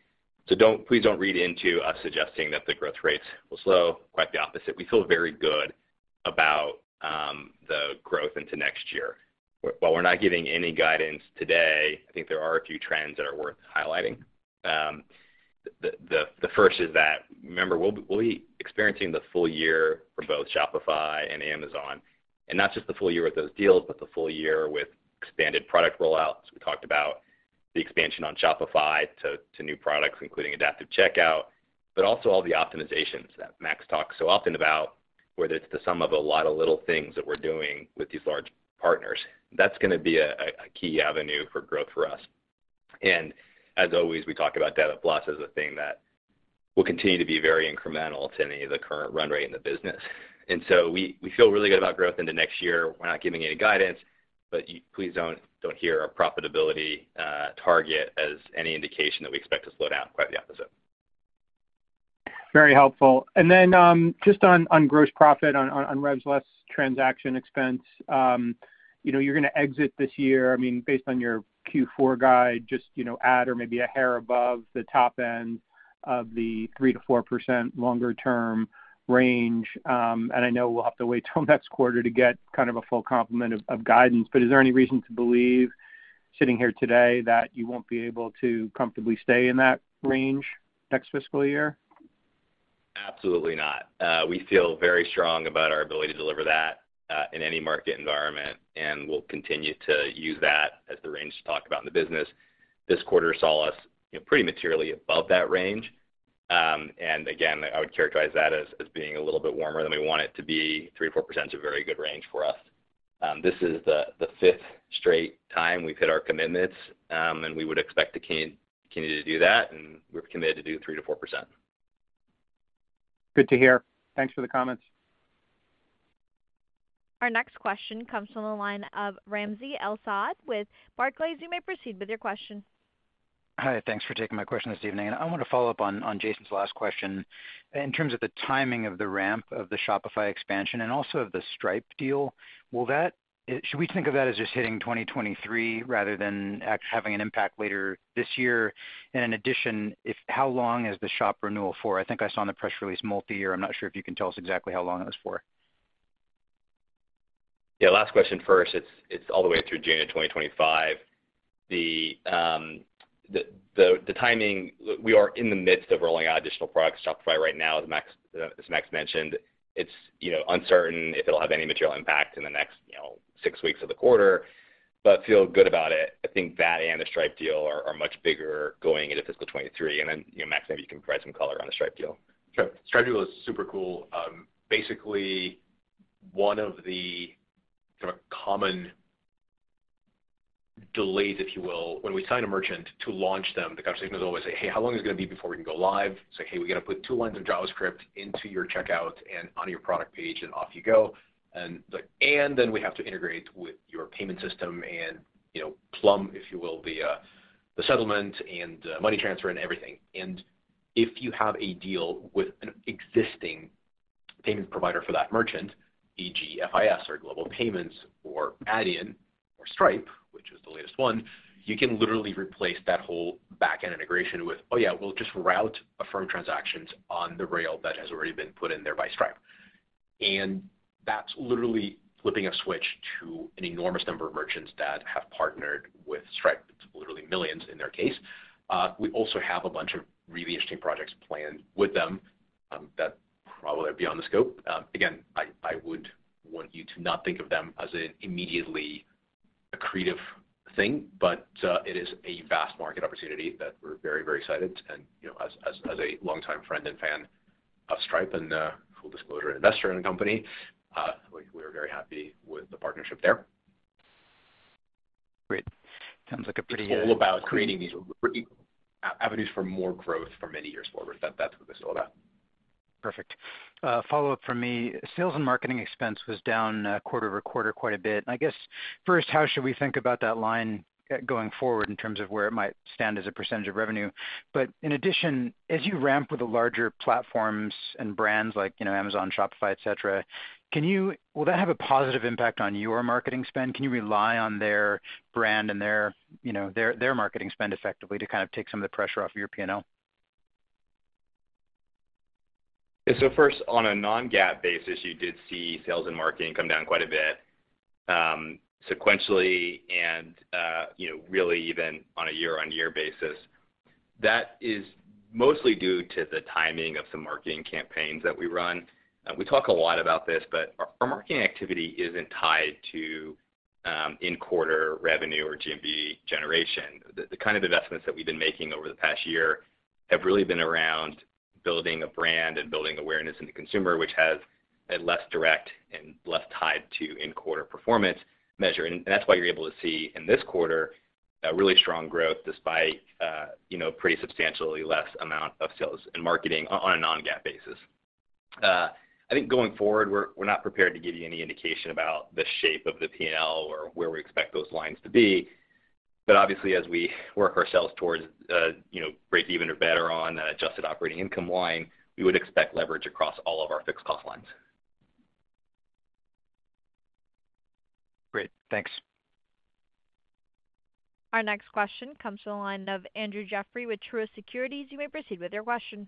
Please don't read into us suggesting that the growth rates will slow. Quite the opposite. We feel very good about the growth into next year. While we're not giving any guidance today, I think there are a few trends that are worth highlighting. The first is that, remember, we'll be experiencing the full year for both Shopify and Amazon, and not just the full year with those deals, but the full year with expanded product rollouts. We talked about the expansion on Shopify to new products, including Adaptive Checkout, but also all the optimizations that Max talks so often about, whether it's the sum of a lot of little things that we're doing with these large partners. That's gonna be a key avenue for growth for us. As always, we talk about Debit+ as a thing that will continue to be very incremental to any of the current run rate in the business. We feel really good about growth into next year. We're not giving any guidance, but please don't hear our profitability target as any indication that we expect to slow down. Quite the opposite. Very helpful. Just on gross profit on revs less transaction costs, you know, you're gonna exit this year. I mean, based on your Q4 guide, just, you know, at or maybe a hair above the top end of the 3%-4% longer term range. I know we'll have to wait till next quarter to get a full complement of guidance, but is there any reason to believe sitting here today that you won't be able to comfortably stay in that range next fiscal year? Absolutely not. We feel very strong about our ability to deliver that in any market environment, and we'll continue to use that as the range to talk about in the business. This quarter saw us, you know, pretty materially above that range. Again, I would characterize that as being a little bit warmer than we want it to be. 3%-4% is a very good range for us. This is the fifth straight time we've hit our commitments, and we would expect to continue to do that, and we're committed to do 3%-4%. Good to hear. Thanks for the comments. Our next question comes from the line of Ramsey El-Assal with Barclays. You may proceed with your question. Hi. Thanks for taking my question this evening. I want to follow up on Jason's last question in terms of the timing of the ramp of the Shopify expansion and also of the Stripe deal. Should we think of that as just hitting 2023 rather than having an impact later this year? And in addition, how long is the Shopify renewal for? I think I saw in the press release multi-year. I'm not sure if you can tell us exactly how long it was for. Yeah, last question first. It's all the way through June of 2025. The timing, we are in the midst of rolling out additional products to Shopify right now, as Max mentioned. It's, you know, uncertain if it'll have any material impact in the next, you know, six weeks of the quarter, but feel good about it. I think that and the Stripe deal are much bigger going into fiscal 2023. You know, Max, maybe you can provide some color on the Stripe deal. Sure. Stripe deal is super cool. Basically one of the sort of common delays, if you will, when we sign a merchant to launch them, the conversation is always say, "Hey, how long is it gonna be before we can go live?" Say, "Hey, we got to put two lines of JavaScript into your checkout and on your product page and off you go." And then we have to integrate with your payment system and, you know, plumb, if you will, the settlement and money transfer and everything. If you have a deal with an existing- Payment provider for that merchant, e.g. FIS or Global Payments or Adyen or Stripe, which is the latest one. You can literally replace that whole back-end integration with, "Oh, yeah, we'll just route Affirm transactions on the rail that has already been put in there by Stripe." That's literally flipping a switch to an enormous number of merchants that have partnered with Stripe. It's literally millions in their case. We also have a bunch of really interesting projects planned with them that probably are beyond the scope. Again, I would want you to not think of them as an immediately accretive thing, but it is a vast market opportunity that we're very, very excited. You know, as a longtime friend and fan of Stripe and a full disclosure investor in the company, we are very happy with the partnership there. Great. Sounds like a pretty. It's all about creating these avenues for more growth for many years forward. That's what this is all about. Perfect. Follow-up from me. Sales and marketing expense was down quarter-over-quarter quite a bit. I guess, first, how should we think about that line going forward in terms of where it might stand as a percentage of revenue? In addition, as you ramp with the larger platforms and brands like, you know, Amazon, Shopify, et cetera, will that have a positive impact on your marketing spend? Can you rely on their brand and their, you know, their marketing spend effectively to kind of take some of the pressure off your P&L? Yeah. First, on a non-GAAP basis, you did see sales and marketing come down quite a bit, sequentially and, you know, really even on a year-on-year basis. That is mostly due to the timing of some marketing campaigns that we run. We talk a lot about this, but our marketing activity isn't tied to, in-quarter revenue or GMV generation. The kind of investments that we've been making over the past year have really been around building a brand and building awareness in the consumer, which has a less direct and less tied to in-quarter performance measure. That's why you're able to see in this quarter a really strong growth despite, you know, pretty substantially less amount of sales and marketing on a non-GAAP basis. I think going forward, we're not prepared to give you any indication about the shape of the P&L or where we expect those lines to be. Obviously, as we work ourselves towards, you know, breakeven or better on an adjusted operating income line, we would expect leverage across all of our fixed cost lines. Great. Thanks. Our next question comes from the line of Andrew Jeffrey with Truist Securities. You may proceed with your question.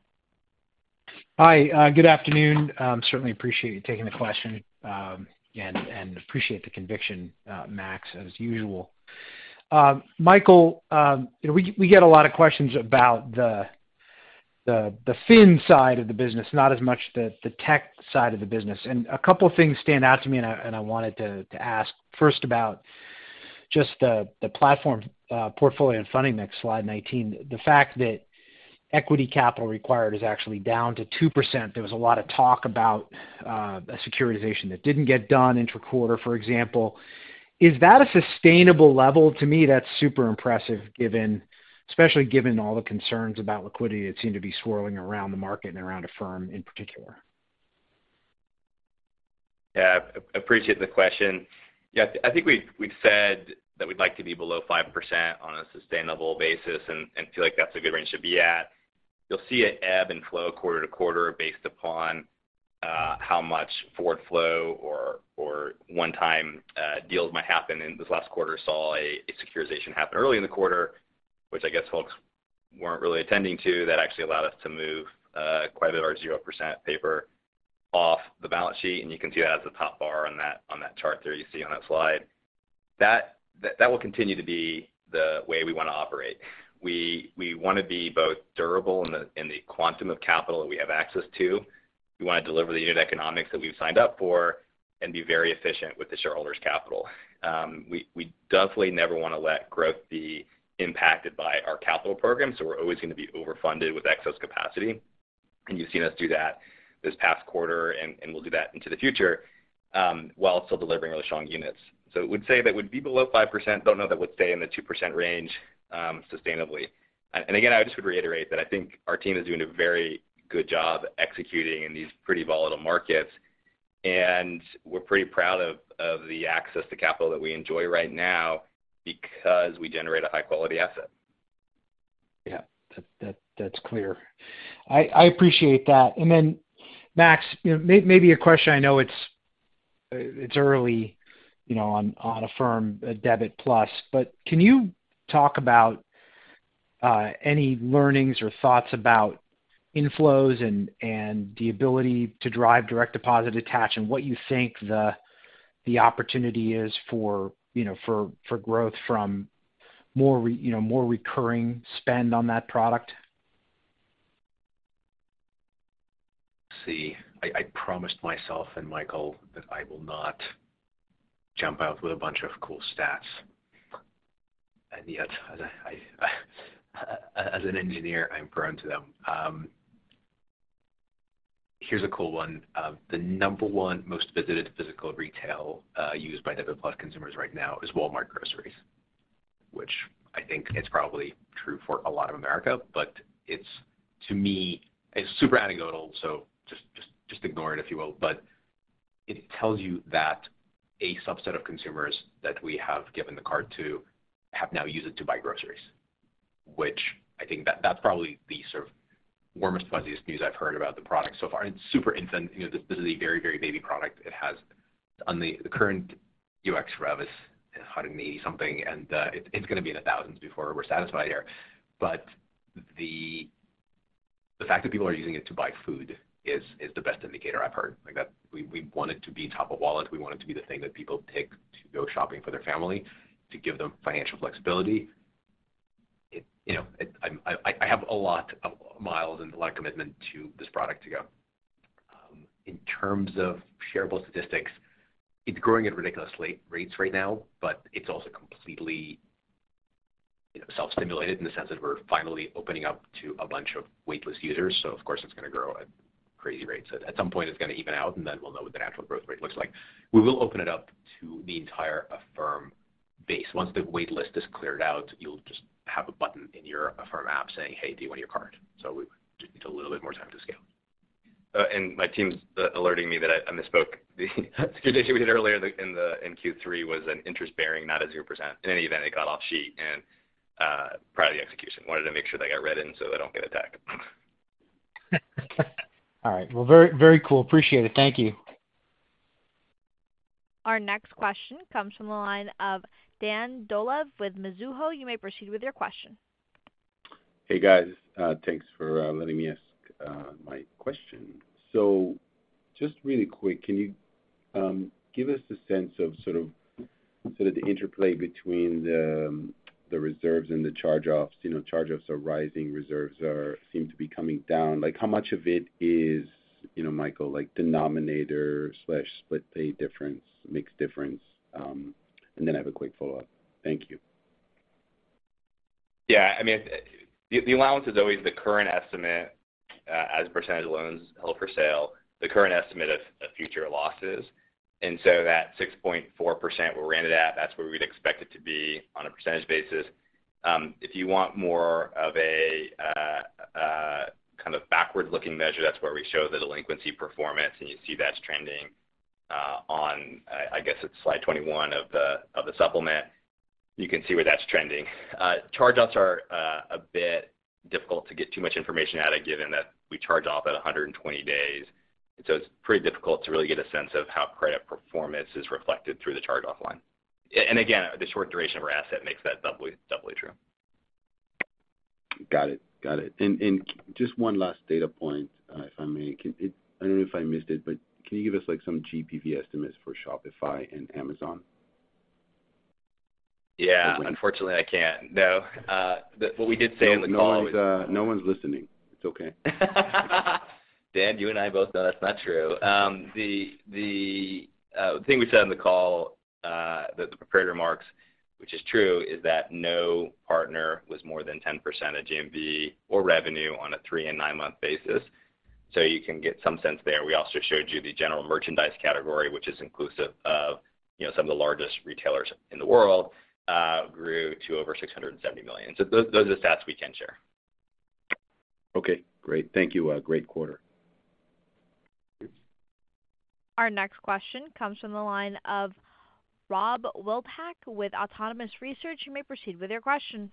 Hi, good afternoon. Certainly appreciate you taking the question, and appreciate the conviction, Max, as usual. Michael, you know, we get a lot of questions about the fin side of the business, not as much the tech side of the business. A couple things stand out to me and I wanted to ask first about just the platform portfolio and funding mix, slide 19. The fact that equity capital required is actually down to 2%. There was a lot of talk about a securitization that didn't get done inter-quarter, for example. Is that a sustainable level? To me, that's super impressive given, especially given all the concerns about liquidity that seem to be swirling around the market and around Affirm in particular. Appreciate the question. Yeah, I think we've said that we'd like to be below 5% on a sustainable basis and feel like that's a good range to be at. You'll see it ebb and flow quarter to quarter based upon how much forward flow or one-time deals might happen. This last quarter saw a securitization happen early in the quarter, which I guess folks weren't really anticipating. That actually allowed us to move quite a bit of our zero percent paper off the balance sheet, and you can see that as the top bar on that chart there on that slide. That will continue to be the way we wanna operate. We wanna be both durable in the quantum of capital that we have access to. We wanna deliver the unit economics that we've signed up for and be very efficient with the shareholders' capital. We definitely never wanna let growth be impacted by our capital program, so we're always gonna be overfunded with excess capacity. You've seen us do that this past quarter, and we'll do that into the future, while still delivering really strong units. Would say that we'd be below 5%. Don't know that we'd stay in the 2% range sustainably. Again, I just would reiterate that I think our team is doing a very good job executing in these pretty volatile markets. We're pretty proud of the access to capital that we enjoy right now because we generate a high-quality asset. Yeah. That's clear. I appreciate that. Then Max, you know, maybe a question I know it's early, you know, on Affirm Debit+, but can you talk about any learnings or thoughts about inflows and the ability to drive direct deposit attach and what you think the opportunity is for, you know, for growth from more recurring spend on that product? Let's see. I promised myself and Michael that I will not jump out with a bunch of cool stats, and yet as I as an engineer, I'm prone to them. Here's a cool one. The number one most visited physical retail used by Debit+ consumers right now is Walmart Groceries, which I think is probably true for a lot of America, but it's, to me, super anecdotal, so just ignore it, if you will. But It tells you that a subset of consumers that we have given the card to have now used it to buy groceries, which I think that's probably the sort of warmest, fuzziest news I've heard about the product so far. It's super infant. You know, this is a very, very baby product. It has on the current UX rev is 180-something, and it it's gonna be in the thousands before we're satisfied here. But the fact that people are using it to buy food is the best indicator I've heard. Like that we want it to be top of wallet. We want it to be the thing that people pick to go shopping for their family, to give them financial flexibility. You know, I have a lot of miles and a lot of commitment to this product to go. In terms of shareable statistics, it's growing at ridiculous rates right now, but it's also completely, you know, self-stimulated in the sense that we're finally opening up to a bunch of waitlist users. Of course, it's gonna grow at crazy rates. At some point, it's gonna even out, and then we'll know what the natural growth rate looks like. We will open it up to the entire Affirm base. Once the wait list is cleared out, you'll just have a button in your Affirm app saying, "Hey, do you want your card?" We just need a little bit more time to scale. My team's alerting me that I misspoke. The security issue we had earlier in Q3 was an interest-bearing, not a 0%. In any event, it got off sheet and proud of the execution. Wanted to make sure that got read in so I don't get attacked. All right. Well, very, very cool. Appreciate it. Thank you. Our next question comes from the line of Dan Dolev with Mizuho. You may proceed with your question. Hey, guys. Thanks for letting me ask my question. Just really quick, can you give us a sense of sort of the interplay between the reserves and the charge-offs? You know, charge-offs are rising, reserves seem to be coming down. Like, how much of it is, you know, Michael, like denominator/Split Pay difference, mix difference? And then I have a quick follow-up. Thank you. I mean, the allowance is always the current estimate as a percentage of loans held for sale, the current estimate of future losses. That 6.4% where we're in it at, that's where we'd expect it to be on a percentage basis. If you want more of a kind of backward-looking measure, that's where we show the delinquency performance, and you see that's trending on, I guess it's slide 21 of the supplement. You can see where that's trending. Charge-offs are a bit difficult to get too much information out of, given that we charge off at 120 days. It's pretty difficult to really get a sense of how credit performance is reflected through the charge-off line. Again, the short duration of our asset makes that doubly true. Got it. Just one last data point, if I may. I don't know if I missed it, but can you give us, like, some GMV estimates for Shopify and Amazon? Yeah. Unfortunately, I can't. No. What we did say on the call was. No one's listening. It's okay. Dan, you and I both know that's not true. The thing we said on the call, the prepared remarks, which is true, is that no partner was more than 10% of GMV or revenue on a three- and nine-month basis. You can get some sense there. We also showed you the general merchandise category, which is inclusive of some of the largest retailers in the world, grew to over $670 million. Those are the stats we can share. Okay, great. Thank you. Great quarter. Our next question comes from the line of Rob Wildhack with Autonomous Research. You may proceed with your question.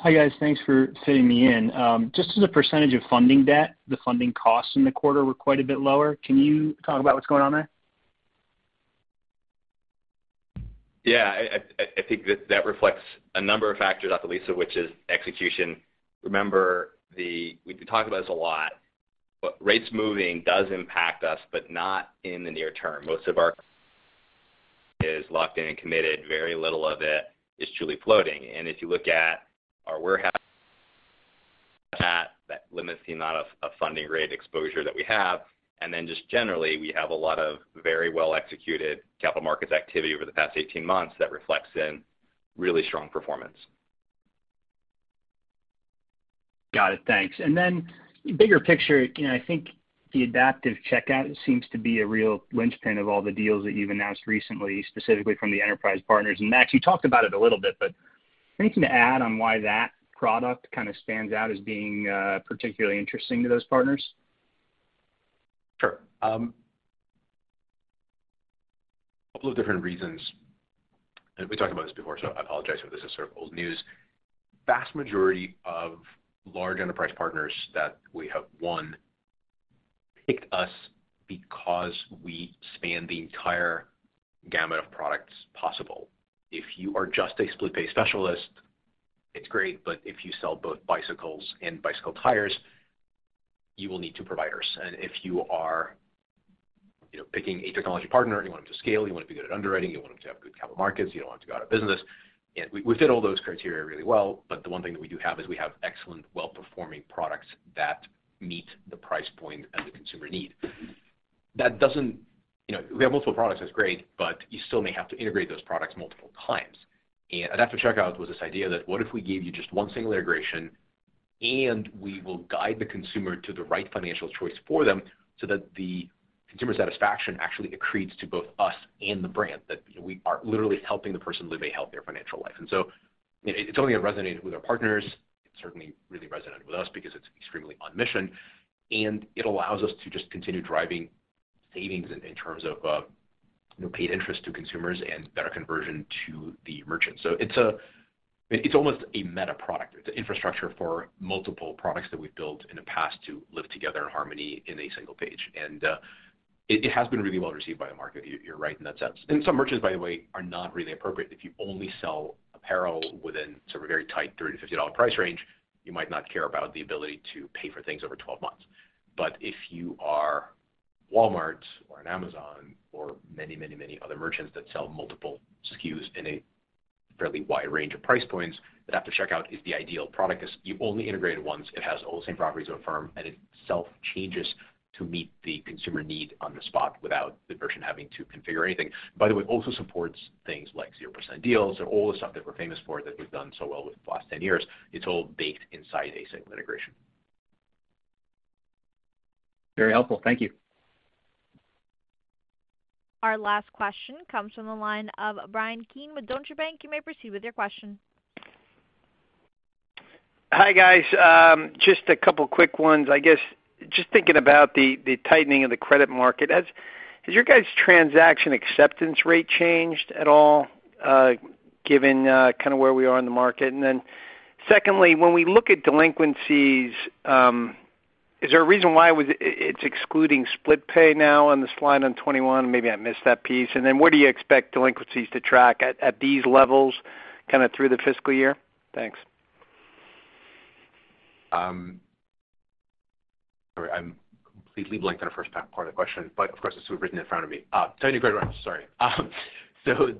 Hi, guys. Thanks for fitting me in. Just as a percentage of funding debt, the funding costs in the quarter were quite a bit lower. Can you talk about what's going on there? Yeah. I think that reflects a number of factors, actually, Lisa, which is execution. Remember, we've been talking about this a lot, but rates moving does impact us, but not in the near term. Most of our is locked in and committed. Very little of it is truly floating. If you look at our warehouse, that limits the amount of funding rate exposure that we have. Just generally, we have a lot of very well-executed capital markets activity over the past 18 months that reflects in really strong performance. Got it. Thanks. Bigger picture, you know, I think the Adaptive Checkout seems to be a real linchpin of all the deals that you've announced recently, specifically from the enterprise partners. Max, you talked about it a little bit, but anything to add on why that product kind of stands out as being particularly interesting to those partners? Sure. A couple of different reasons. We talked about this before, so I apologize if this is sort of old news. Vast majority of large enterprise partners that we have, one, picked us because we span the entire gamut of products possible. If you are just a Split Pay specialist, it's great, but if you sell both bicycles and bicycle tires, you will need two providers. If you are, you know, picking a technology partner, and you want them to scale, you want them to be good at underwriting, you want them to have good capital markets, you don't want them to go out of business, and we fit all those criteria really well. The one thing that we do have is we have excellent well-performing products that meet the price point and the consumer need. That doesn't. You know, we have multiple products, that's great, but you still may have to integrate those products multiple times. Adaptive Checkout was this idea that what if we gave you just one single integration, and we will guide the consumer to the right financial choice for them so that the consumer satisfaction actually accretes to both us and the brand, that, you know, we are literally helping the person live a healthier financial life. It's only resonated with our partners. It certainly really resonated with us because it's extremely on mission, and it allows us to just continue driving savings in terms of, you know, paid interest to consumers and better conversion to the merchants. It's almost a meta product. It's an infrastructure for multiple products that we've built in the past to live together in harmony in a single page. It has been really well received by the market. You're right in that sense. Some merchants, by the way, are not really appropriate. If you only sell apparel within sort of a very tight $30-$50 price range, you might not care about the ability to pay for things over 12 months. But if you are Walmart or an Amazon or many, many, many other merchants that sell multiple SKUs in a fairly wide range of price points, then Adaptive Checkout is the ideal product 'cause you only integrate it once. It has all the same properties of Affirm, and it self-changes to meet the consumer need on the spot without the merchant having to configure anything. By the way, it also supports things like 0% deals and all the stuff that we're famous for that we've done so well with for the last 10 years. It's all baked inside a single integration. Very helpful. Thank you. Our last question comes from the line of Bryan Keane with Deutsche Bank. You may proceed with your question. Hi, guys. Just a couple quick ones. I guess just thinking about the tightening of the credit market. Has your guys' transaction acceptance rate changed at all, given kinda where we are in the market? Secondly, when we look at delinquencies, is there a reason why it's excluding Split Pay now on the slide on 21? Maybe I missed that piece. Where do you expect delinquencies to track at these levels kinda through the fiscal year? Thanks. Sorry, I'm completely blanked on the first part of the question, but of course it's written in front of me. Sorry.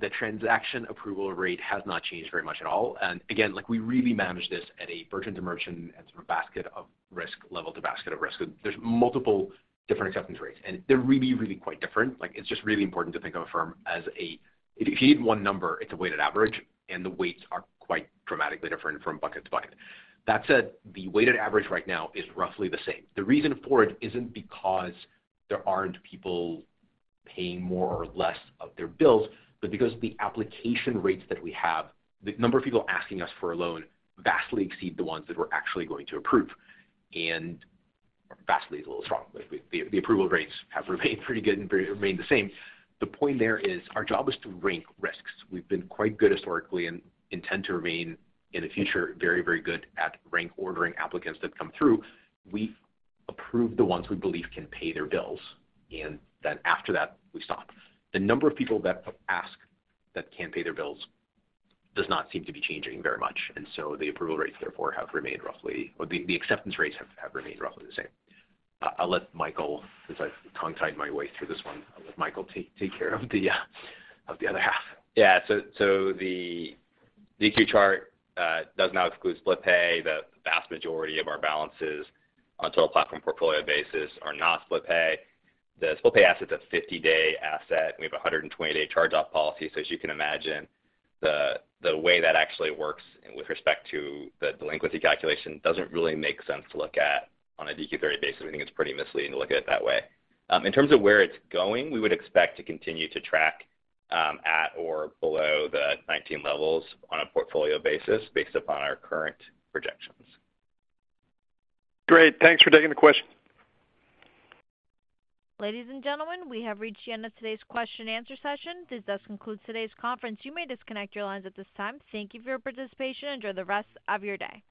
The transaction approval rate has not changed very much at all. Again, like, we really manage this at a merchant to merchant and sort of basket of risk level to basket of risk. There's multiple different acceptance rates, and they're really, really quite different. Like, it's just really important to think of Affirm as a... If you need one number, it's a weighted average, and the weights are quite dramatically different from bucket to bucket. That said, the weighted average right now is roughly the same. The reason for it isn't because there aren't people paying more or less of their bills, but because the application rates that we have, the number of people asking us for a loan vastly exceed the ones that we're actually going to approve. Vastly is a little strong, but the approval rates have remained pretty good and remained the same. The point there is our job is to rank risks. We've been quite good historically and intend to remain in the future very, very good at rank ordering applicants that come through. We approve the ones we believe can pay their bills, and then after that, we stop. The number of people that ask that can't pay their bills does not seem to be changing very much, and so the approval rates therefore have remained roughly the same. Or the acceptance rates have remained roughly the same. Since I've tongue-tied my way through this one, I'll let Michael take care of the other half. Yeah. The DQ chart does not exclude Split Pay. The vast majority of our balances on a total platform portfolio basis are not Split Pay. The Split Pay asset's a 50-day asset, and we have a 120-day charge-off policy. As you can imagine, the way that actually works with respect to the delinquency calculation doesn't really make sense to look at on a DQ 30 basis. We think it's pretty misleading to look at it that way. In terms of where it's going, we would expect to continue to track at or below the 19 levels on a portfolio basis based upon our current projections. Great. Thanks for taking the question. Ladies and gentlemen, we have reached the end of today's question and answer session. This does conclude today's conference. You may disconnect your lines at this time. Thank you for your participation. Enjoy the rest of your day.